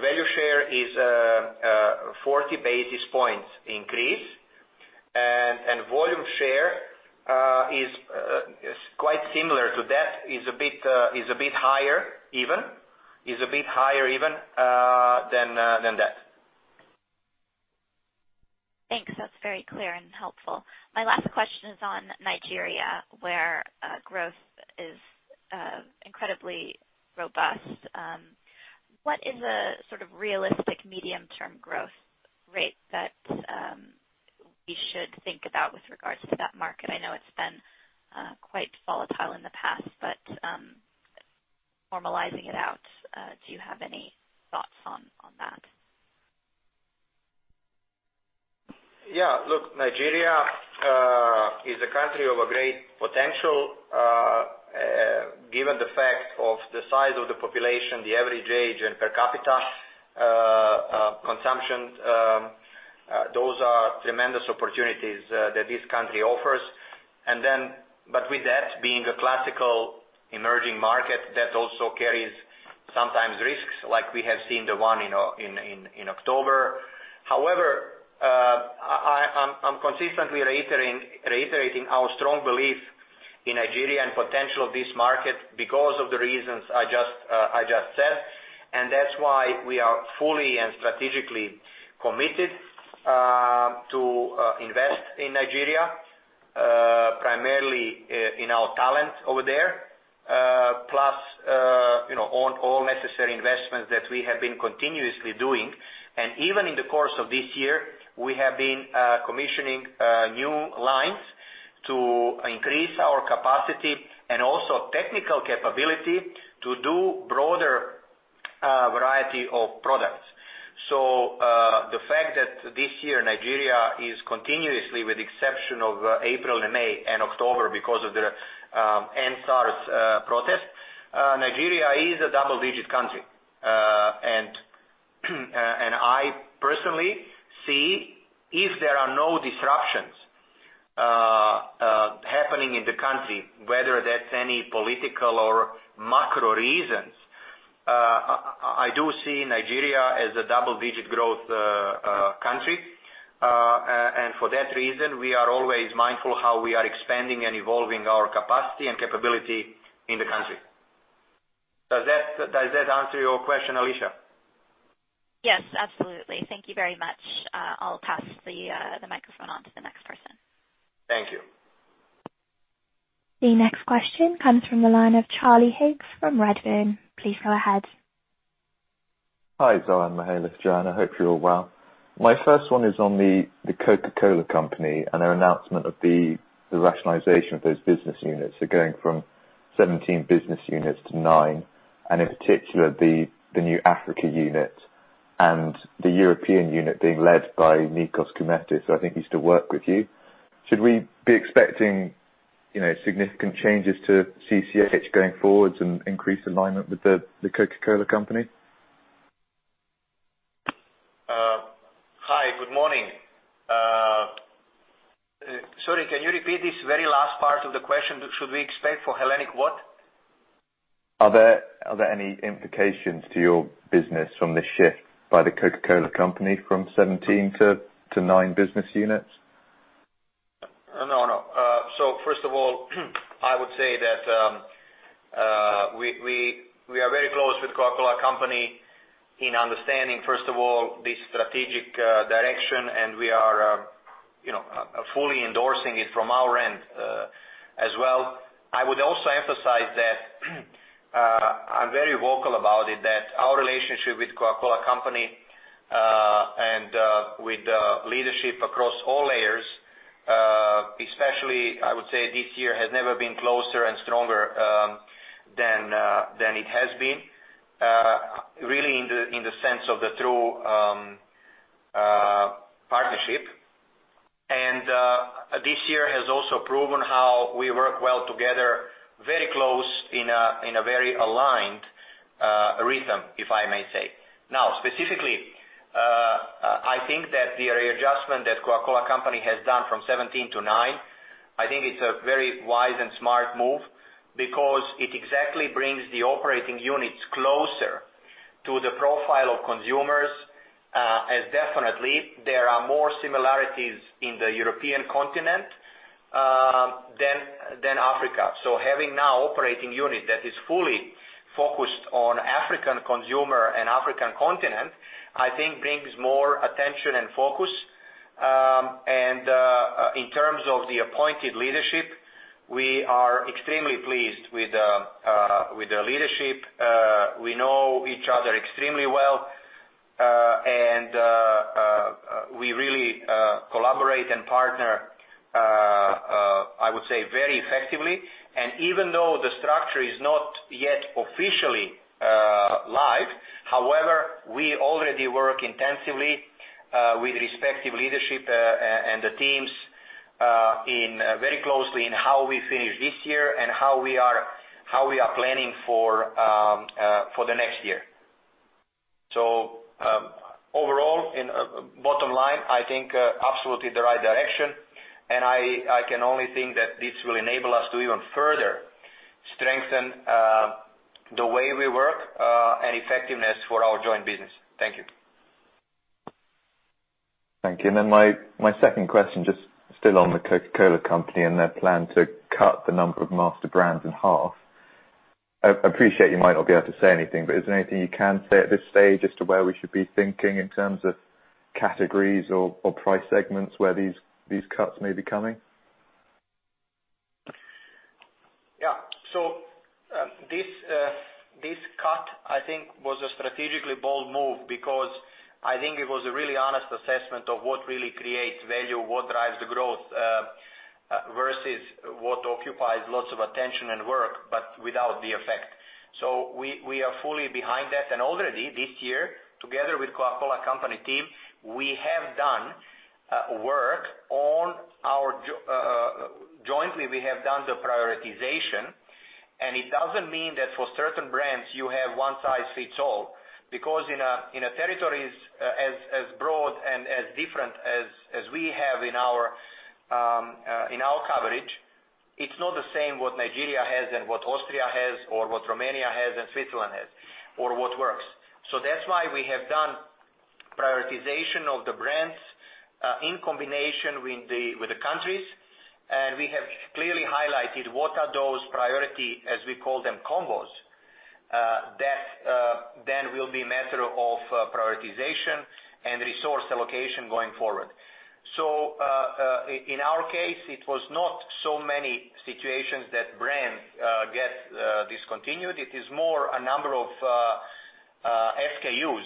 value share is 40 basis points increase, and volume share is quite similar to that, a bit higher even than that. Thanks. That's very clear and helpful. My last question is on Nigeria, where growth is incredibly robust. What is a sort of realistic medium-term growth rate that we should think about with regards to that market? I know it's been quite volatile in the past, but normalizing it out, do you have any thoughts on that? Yeah. Look, Nigeria is a country of great potential given the fact of the size of the population, the average age and per capita consumption. Those are tremendous opportunities that this country offers. But with that being a classical emerging market, that also carries sometimes risks like we have seen the one in October. However, I'm consistently reiterating our strong belief in Nigeria and potential of this market because of the reasons I just said, and that's why we are fully and strategically committed to invest in Nigeria, primarily in our talent over there, plus all necessary investments that we have been continuously doing. And even in the course of this year, we have been commissioning new lines to increase our capacity and also technical capability to do a broader variety of products. So, the fact that this year Nigeria is continuously, with the exception of April and May and October because of the End SARS protest, Nigeria is a double-digit country. And I personally see if there are no disruptions happening in the country, whether that's any political or macro reasons, I do see Nigeria as a double-digit growth country. And for that reason, we are always mindful how we are expanding and evolving our capacity and capability in the country. Does that answer your question, Alicia? Yes, absolutely. Thank you very much. I'll pass the microphone on to the next person. Thank you. The next question comes from the line of Charlie Higgs from Redburn. Please go ahead. Hi, Zoran, Michalis, Joanna. Hope you're well. My first one is on the Coca-Cola Company and their announcement of the rationalization of those business units. They're going from 17 business units to nine, and in particular, the new Africa unit and the European unit being led by Nikos Koumettis, who I think used to work with you. Should we be expecting significant changes to CCH going forward and increased alignment with the Coca-Cola Company? Hi. Good morning. Sorry, can you repeat this very last part of the question? Should we expect for Hellenic what? Are there any implications to your business from this shift by the Coca-Cola Company from 17-9 business units? No, no. So first of all, I would say that we are very close with Coca-Cola Company in understanding, first of all, this strategic direction, and we are fully endorsing it from our end as well. I would also emphasize that I'm very vocal about it, that our relationship with Coca-Cola Company and with the leadership across all layers, especially, I would say this year has never been closer and stronger than it has been, really in the sense of the true partnership. And this year has also proven how we work well together, very close in a very aligned rhythm, if I may say. Now, specifically, I think that the readjustment that The Coca-Cola Company has done from 17 to nine, I think it's a very wise and smart move because it exactly brings the operating units closer to the profile of consumers, as definitely there are more similarities in the European continent than Africa, so having now operating units that is fully focused on African consumer and African continent, I think brings more attention and focus, and in terms of the appointed leadership, we are extremely pleased with the leadership. We know each other extremely well, and we really collaborate and partner, I would say, very effectively, and even though the structure is not yet officially live, however, we already work intensively with respective leadership and the teams very closely in how we finish this year and how we are planning for the next year. So overall, bottom line, I think absolutely the right direction, and I can only think that this will enable us to even further strengthen the way we work and effectiveness for our joint business. Thank you. Thank you. And then my second question, just still on the Coca-Cola Company and their plan to cut the number of master brands in half. I appreciate you might not be able to say anything, but is there anything you can say at this stage as to where we should be thinking in terms of categories or price segments where these cuts may be coming? Yeah. So this cut, I think, was a strategically bold move because I think it was a really honest assessment of what really creates value, what drives the growth versus what occupies lots of attention and work, but without the effect. So we are fully behind that. And already this year, together with Coca-Cola Company team, we have done work on our jointly. We have done the prioritization, and it doesn't mean that for certain brands you have one size fits all. Because in a territory as broad and as different as we have in our coverage, it's not the same what Nigeria has and what Austria has or what Romania has and Switzerland has or what works. So that's why we have done prioritization of the brands in combination with the countries, and we have clearly highlighted what are those priority, as we call them, combos that then will be a matter of prioritization and resource allocation going forward. So in our case, it was not so many situations that brands get discontinued. It is more a number of SKUs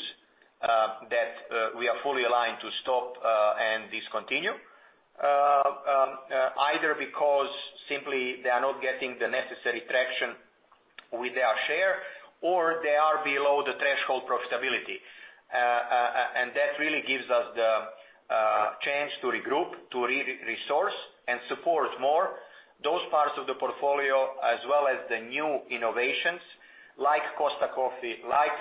that we are fully aligned to stop and discontinue, either because simply they are not getting the necessary traction with their share or they are below the threshold profitability, and that really gives us the chance to regroup, to resource and support more those parts of the portfolio, as well as the new innovations like Costa Coffee, like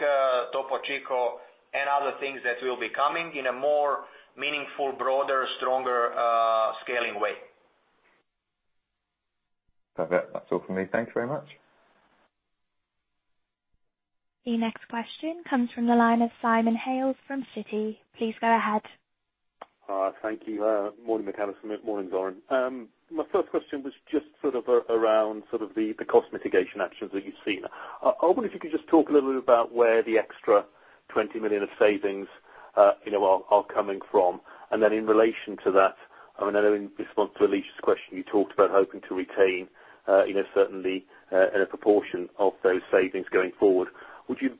Topo Chico, and other things that will be coming in a more meaningful, broader, stronger scaling way. Perfect. That's all from me. Thank you very much. The next question comes from the line of Simon Hales from Citi. Please go ahead. Thank you. Morning, Michalis. Morning, Zoran. My first question was just sort of around sort of the cost mitigation actions that you've seen. I wonder if you could just talk a little bit about where the extra 20 million of savings are coming from. And then in relation to that, I mean, I know in response to Alicia's question, you talked about hoping to retain certainly a proportion of those savings going forward. Would you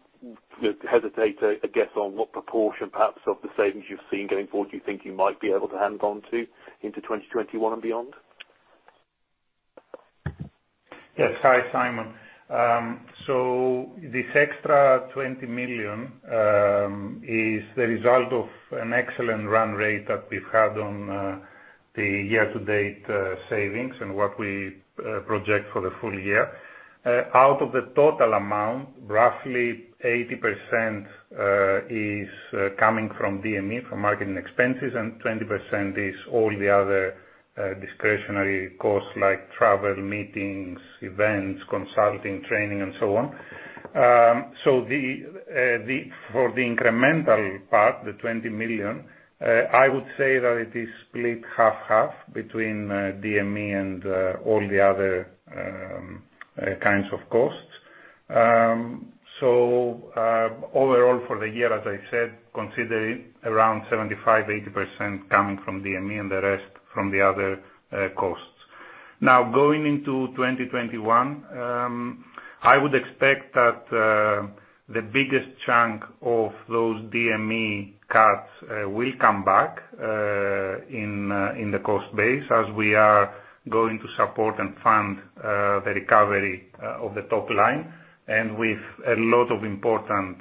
hesitate to guess on what proportion perhaps of the savings you've seen going forward you think you might be able to hang on to into 2021 and beyond? Yes. Hi, Simon. So this extra 20 million is the result of an excellent run rate that we've had on the year-to-date savings and what we project for the full year. Out of the total amount, roughly 80% is coming from DME, from marketing expenses, and 20% is all the other discretionary costs like travel, meetings, events, consulting, training, and so on. So for the incremental part, the 20 million, I would say that it is split half-half between DME and all the other kinds of costs. So overall, for the year, as I said, considering around 75%-80% coming from DME and the rest from the other costs. Now, going into 2021, I would expect that the biggest chunk of those DME cuts will come back in the cost base as we are going to support and fund the recovery of the top line. And with a lot of important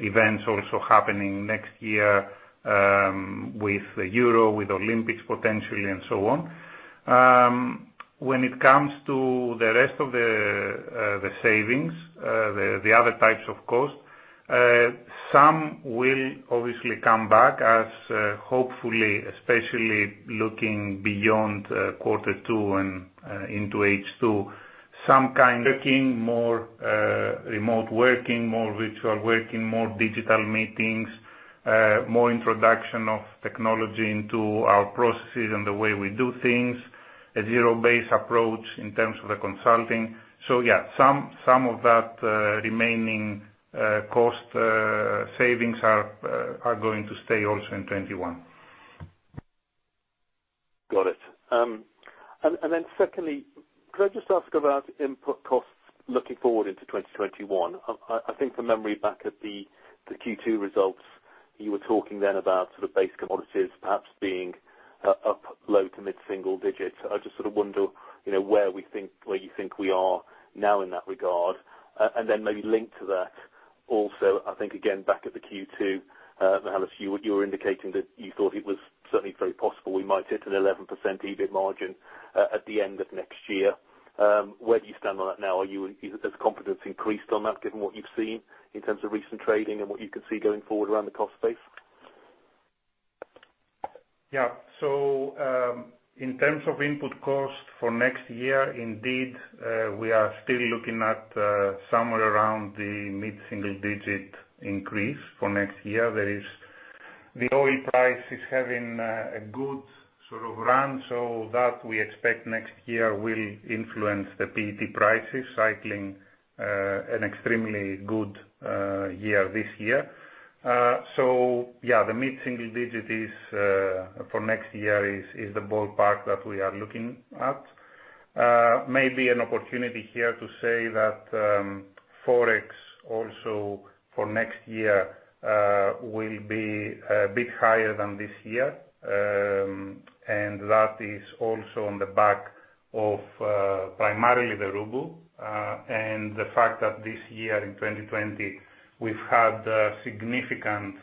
events also happening next year with the Euro, with Olympics potentially, and so on. When it comes to the rest of the savings, the other types of costs, some will obviously come back as hopefully, especially looking beyond quarter two and into H2, some kind of working, more remote working, more virtual working, more digital meetings, more introduction of technology into our processes and the way we do things, a zero-based approach in terms of the consulting. So yeah, some of that remaining cost savings are going to stay also in 2021. Got it. And then secondly, could I just ask about input costs looking forward into 2021? I think from memory back at the Q2 results, you were talking then about sort of base commodities perhaps being up low to mid-single digits. I just sort of wonder where you think we are now in that regard. And then maybe linked to that also, I think again back at the Q2, Michalis, you were indicating that you thought it was certainly very possible we might hit an 11% EBIT margin at the end of next year. Where do you stand on that now? Is confidence increased on that given what you've seen in terms of recent trading and what you can see going forward around the cost space? Yeah. So in terms of input cost for next year, indeed, we are still looking at somewhere around the mid-single digit increase for next year. The oil price is having a good sort of run, so that we expect next year will influence the PET prices, cycling an extremely good year this year. So yeah, the mid-single digit for next year is the ballpark that we are looking at. Maybe an opportunity here to say that Forex also for next year will be a bit higher than this year, and that is also on the back of primarily the ruble and the fact that this year in 2020 we've had significant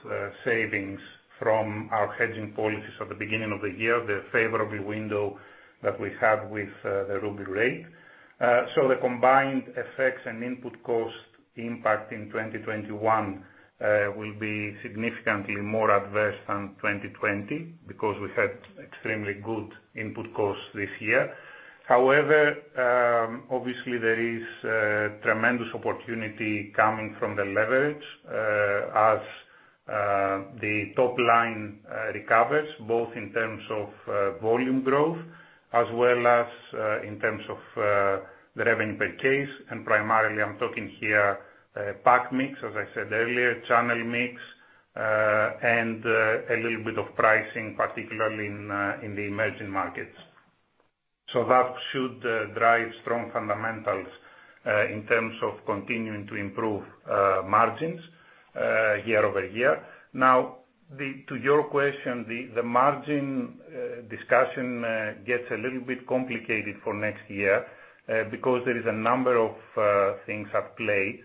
savings from our hedging policies at the beginning of the year, the favorable window that we had with the ruble rate. So the combined effects and input cost impact in 2021 will be significantly more adverse than 2020 because we had extremely good input costs this year. However, obviously, there is tremendous opportunity coming from the leverage as the top line recovers, both in terms of volume growth as well as in terms of the revenue per case. And primarily, I'm talking here pack mix, as I said earlier, channel mix, and a little bit of pricing, particularly in the emerging markets. So that should drive strong fundamentals in terms of continuing to improve margins year over year. Now, to your question, the margin discussion gets a little bit complicated for next year because there is a number of things at play.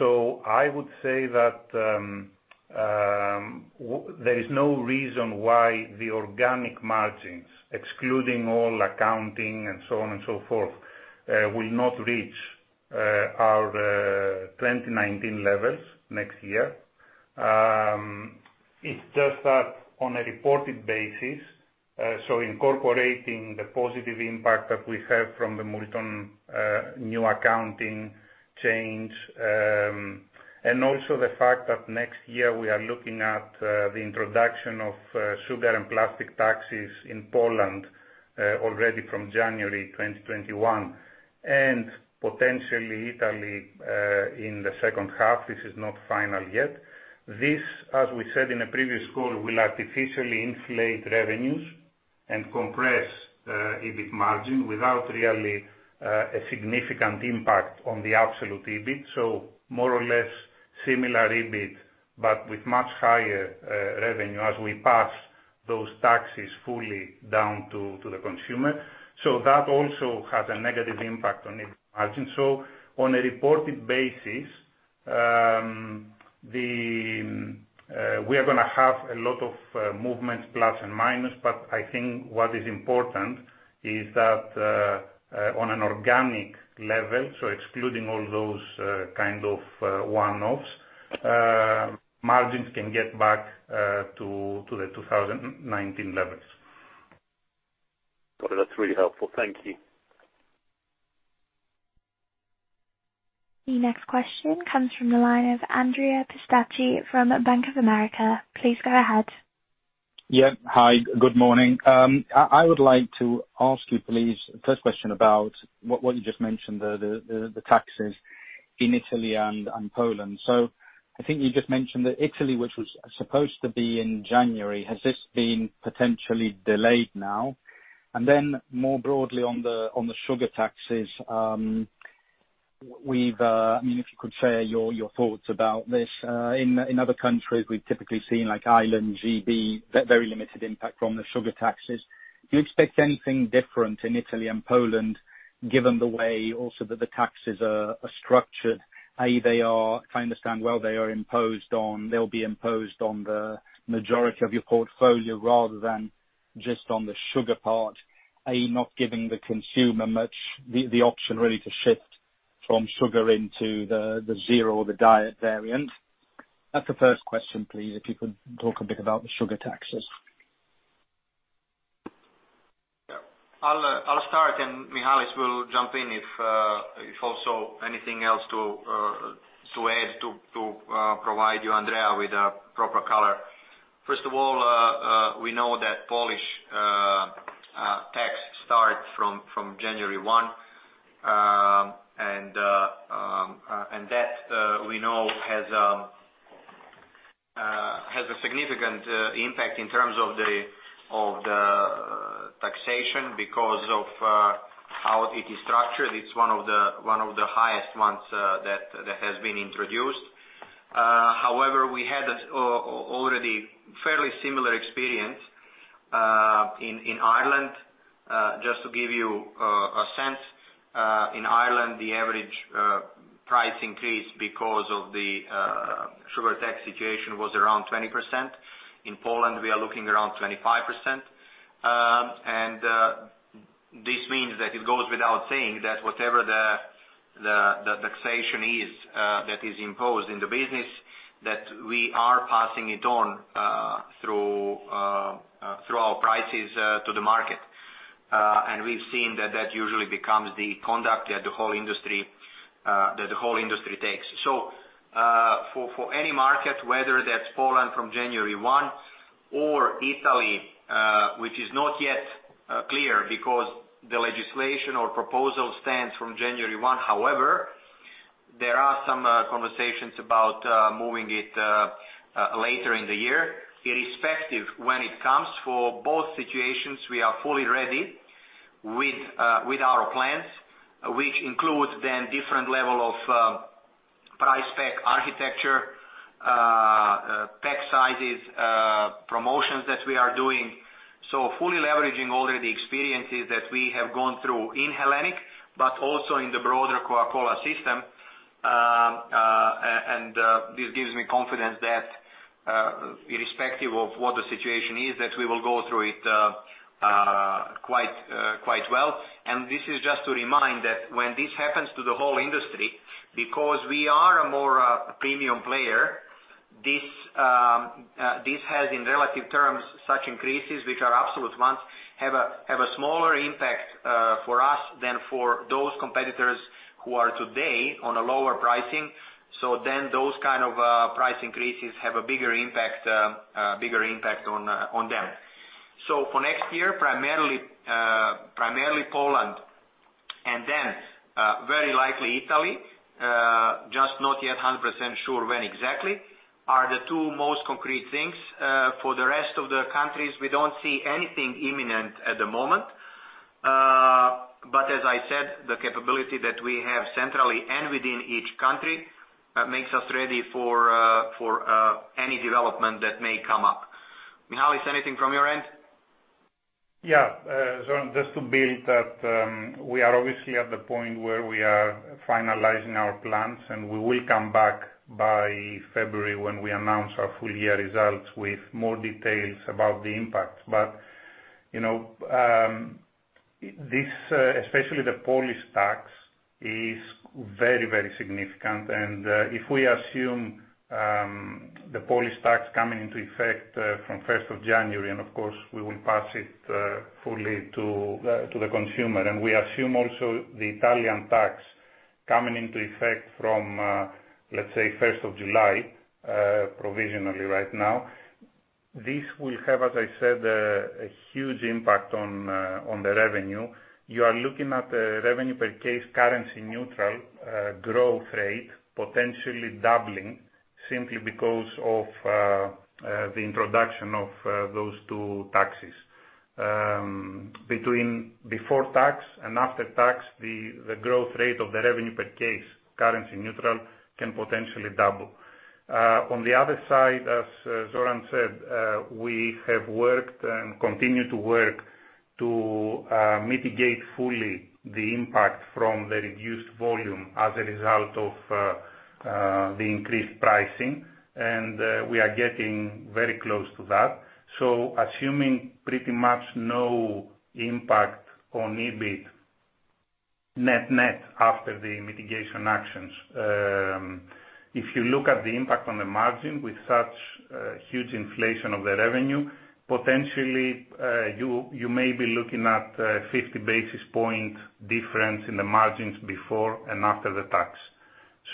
I would say that there is no reason why the organic margins, excluding all accounting and so on and so forth, will not reach our 2019 levels next year. It's just that on a reported basis, so incorporating the positive impact that we have from the Multon new accounting change, and also the fact that next year we are looking at the introduction of sugar and plastic taxes in Poland already from January 2021, and potentially Italy in the second half. This is not final yet. This, as we said in a previous call, will artificially inflate revenues and compress EBIT margin without really a significant impact on the absolute EBIT. So more or less similar EBIT, but with much higher revenue as we pass those taxes fully down to the consumer. So that also has a negative impact on EBIT margin. So on a reported basis, we are going to have a lot of movements, plus and minus, but I think what is important is that on an organic level, so excluding all those kind of one-offs, margins can get back to the 2019 levels. Got it. That's really helpful. Thank you. The next question comes from the line of Andrea Pistacchi from Bank of America. Please go ahead. Yeah. Hi. Good morning. I would like to ask you, please, first question about what you just mentioned, the taxes in Italy and Poland. So I think you just mentioned that Italy, which was supposed to be in January, has this been potentially delayed now? And then more broadly on the sugar taxes, I mean, if you could share your thoughts about this. In other countries, we've typically seen like Ireland, GB, very limited impact from the sugar taxes. Do you expect anything different in Italy and Poland given the way also that the taxes are structured? If I understand well, they'll be imposed on the majority of your portfolio rather than just on the sugar part, not giving the consumer much the option really to shift from sugar into the zero or the diet variant. That's the first question, please, if you could talk a bit about the sugar taxes. I'll start, and Michalis will jump in if also anything else to add to provide you, Andrea, with a proper color. First of all, we know that Polish tax starts from January 1, and that we know has a significant impact in terms of the taxation because of how it is structured. It's one of the highest ones that has been introduced. However, we had already fairly similar experience in Ireland. Just to give you a sense, in Ireland, the average price increase because of the sugar tax situation was around 20%. In Poland, we are looking around 25%. And this means that it goes without saying that whatever the taxation is that is imposed in the business, that we are passing it on through our prices to the market. And we've seen that that usually becomes the conduct that the whole industry takes. So for any market, whether that's Poland from January 1 or Italy, which is not yet clear because the legislation or proposal stands from January 1, however, there are some conversations about moving it later in the year. Irrespective when it comes, for both situations, we are fully ready with our plans, which include then different levels of price pack architecture, pack sizes, promotions that we are doing, so fully leveraging all the experiences that we have gone through in Hellenic, but also in the broader Coca-Cola system, and this gives me confidence that irrespective of what the situation is, that we will go through it quite well. This is just to remind that when this happens to the whole industry, because we are a more premium player, this has in relative terms such increases which are absolute ones, have a smaller impact for us than for those competitors who are today on a lower pricing. So then those kind of price increases have a bigger impact on them. So for next year, primarily Poland and then very likely Italy, just not yet 100% sure when exactly, are the two most concrete things. For the rest of the countries, we don't see anything imminent at the moment. But as I said, the capability that we have centrally and within each country makes us ready for any development that may come up. Michalis, anything from your end? Yeah. So just to build that, we are obviously at the point where we are finalizing our plans, and we will come back by February when we announce our full year results with more details about the impact. But especially the Polish tax is very, very significant. And if we assume the Polish tax coming into effect from 1st of January, and of course, we will pass it fully to the consumer, and we assume also the Italian tax coming into effect from, let's say, 1st of July, provisionally right now, this will have, as I said, a huge impact on the revenue. You are looking at a revenue per case currency neutral growth rate potentially doubling simply because of the introduction of those two taxes. Between before tax and after tax, the growth rate of the revenue per case currency neutral can potentially double. On the other side, as Zoran said, we have worked and continue to work to mitigate fully the impact from the reduced volume as a result of the increased pricing, and we are getting very close to that. So assuming pretty much no impact on EBIT net after the mitigation actions, if you look at the impact on the margin with such huge inflation of the revenue, potentially you may be looking at a 50 basis point difference in the margins before and after the tax.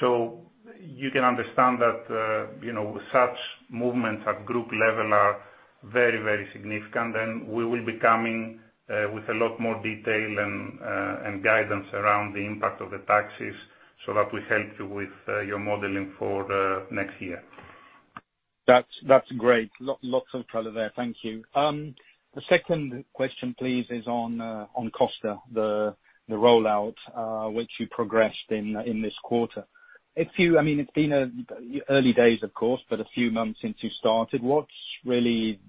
So you can understand that such movements at group level are very, very significant, and we will be coming with a lot more detail and guidance around the impact of the taxes so that we help you with your modeling for next year. That's great. Lots of color there. Thank you. The second question, please, is on Costa, the rollout which you progressed in this quarter. I mean, it's been early days, of course, but a few months since you started. What's really,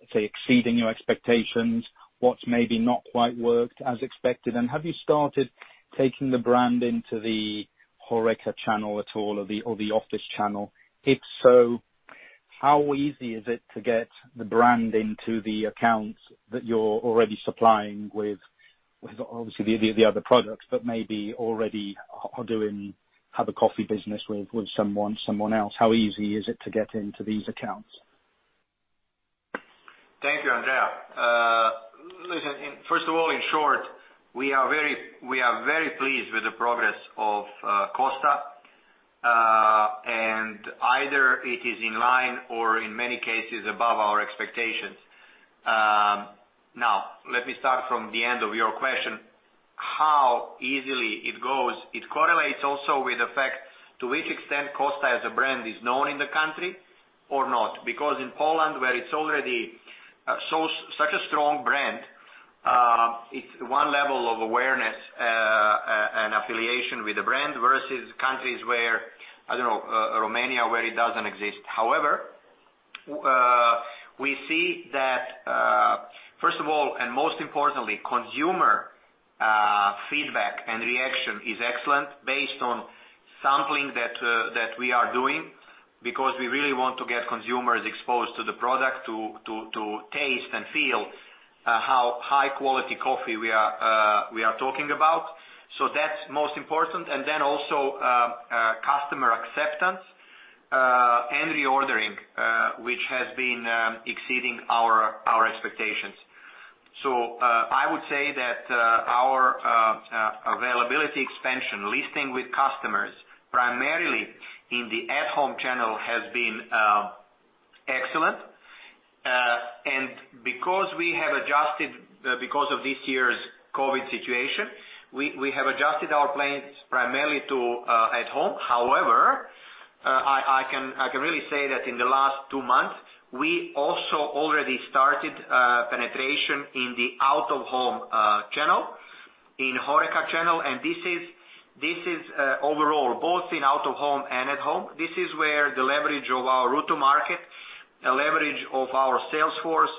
let's say, exceeding your expectations? What's maybe not quite worked as expected? And have you started taking the brand into the HoReCa channel at all or the office channel? If so, how easy is it to get the brand into the accounts that you're already supplying with, obviously, the other products, but maybe already have a coffee business with someone else? How easy is it to get into these accounts? Thank you, Andrea. Listen, first of all, in short, we are very pleased with the progress of Costa, and either it is in line or in many cases above our expectations. Now, let me start from the end of your question. How easily it goes, it correlates also with the fact to which extent Costa as a brand is known in the country or not. Because in Poland, where it's already such a strong brand, it's one level of awareness and affiliation with the brand versus countries where, I don't know, Romania, where it doesn't exist. However, we see that, first of all, and most importantly, consumer feedback and reaction is excellent based on sampling that we are doing because we really want to get consumers exposed to the product, to taste and feel how high-quality coffee we are talking about. So that's most important. Customer acceptance and reordering, which has been exceeding our expectations. I would say that our availability expansion, listing with customers primarily in the at-home channel has been excellent. Because we have adjusted because of this year's COVID situation, we have adjusted our plans primarily to at-home. However, I can really say that in the last two months, we also already started penetration in the out-of-home channel, in HoReCa channel. This is overall, both in out-of-home and at-home. This is where the leverage of our route-to-market, the leverage of our sales force,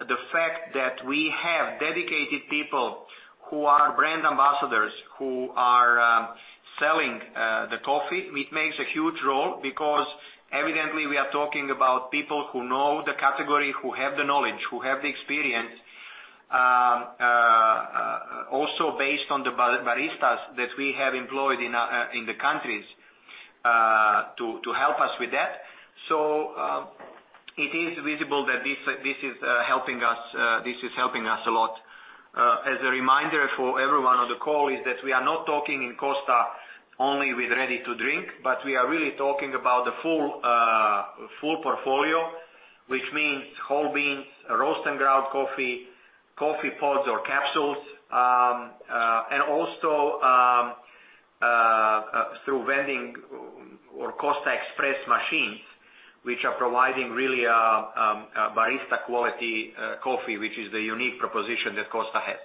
the fact that we have dedicated people who are brand ambassadors, who are selling the coffee, it makes a huge role because evidently we are talking about people who know the category, who have the knowledge, who have the experience, also based on the baristas that we have employed in the countries to help us with that. So it is visible that this is helping us. This is helping us a lot. As a reminder for everyone on the call, is that we are not talking in Costa only with ready-to-drink, but we are really talking about the full portfolio, which means whole beans, roast and ground coffee, coffee pods or capsules, and also through vending or Costa Express machines, which are providing really barista-quality coffee, which is the unique proposition that Costa has.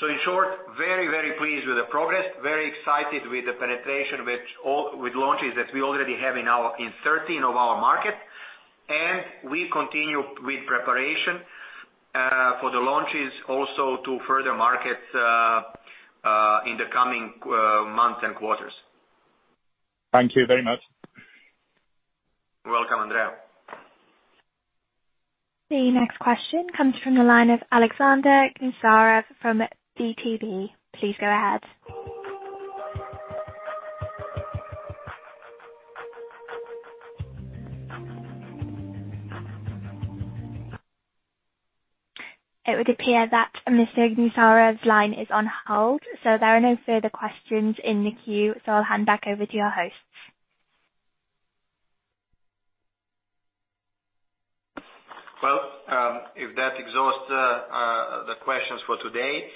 So, in short, very, very pleased with the progress, very excited with the penetration with launches that we already have in 13 of our markets, and we continue with preparation for the launches also to further markets in the coming months and quarters. Thank you very much. You're welcome, Andrea. The next question comes from the line of Alexander Kinsarev from VTB. Please go ahead. It would appear that Mr. Kinsarev's line is on hold, so there are no further questions in the queue. So I'll hand back over to your hosts. If that exhausts the questions for today,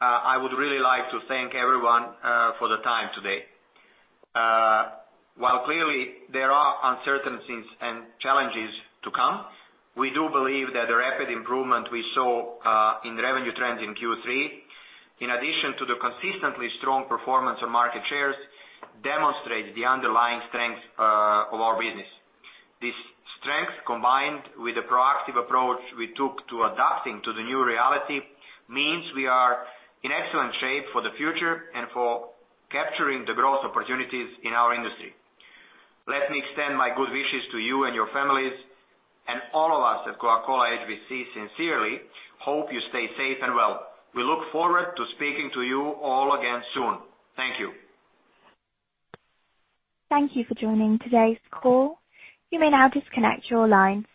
I would really like to thank everyone for the time today. While clearly there are uncertainties and challenges to come, we do believe that the rapid improvement we saw in revenue trends in Q3, in addition to the consistently strong performance of market shares, demonstrates the underlying strength of our business. This strength, combined with the proactive approach we took to adapting to the new reality, means we are in excellent shape for the future and for capturing the growth opportunities in our industry. Let me extend my good wishes to you and your families, and all of us at Coca-Cola HBC sincerely hope you stay safe and well. We look forward to speaking to you all again soon. Thank you. Thank you for joining today's call. You may now disconnect your line.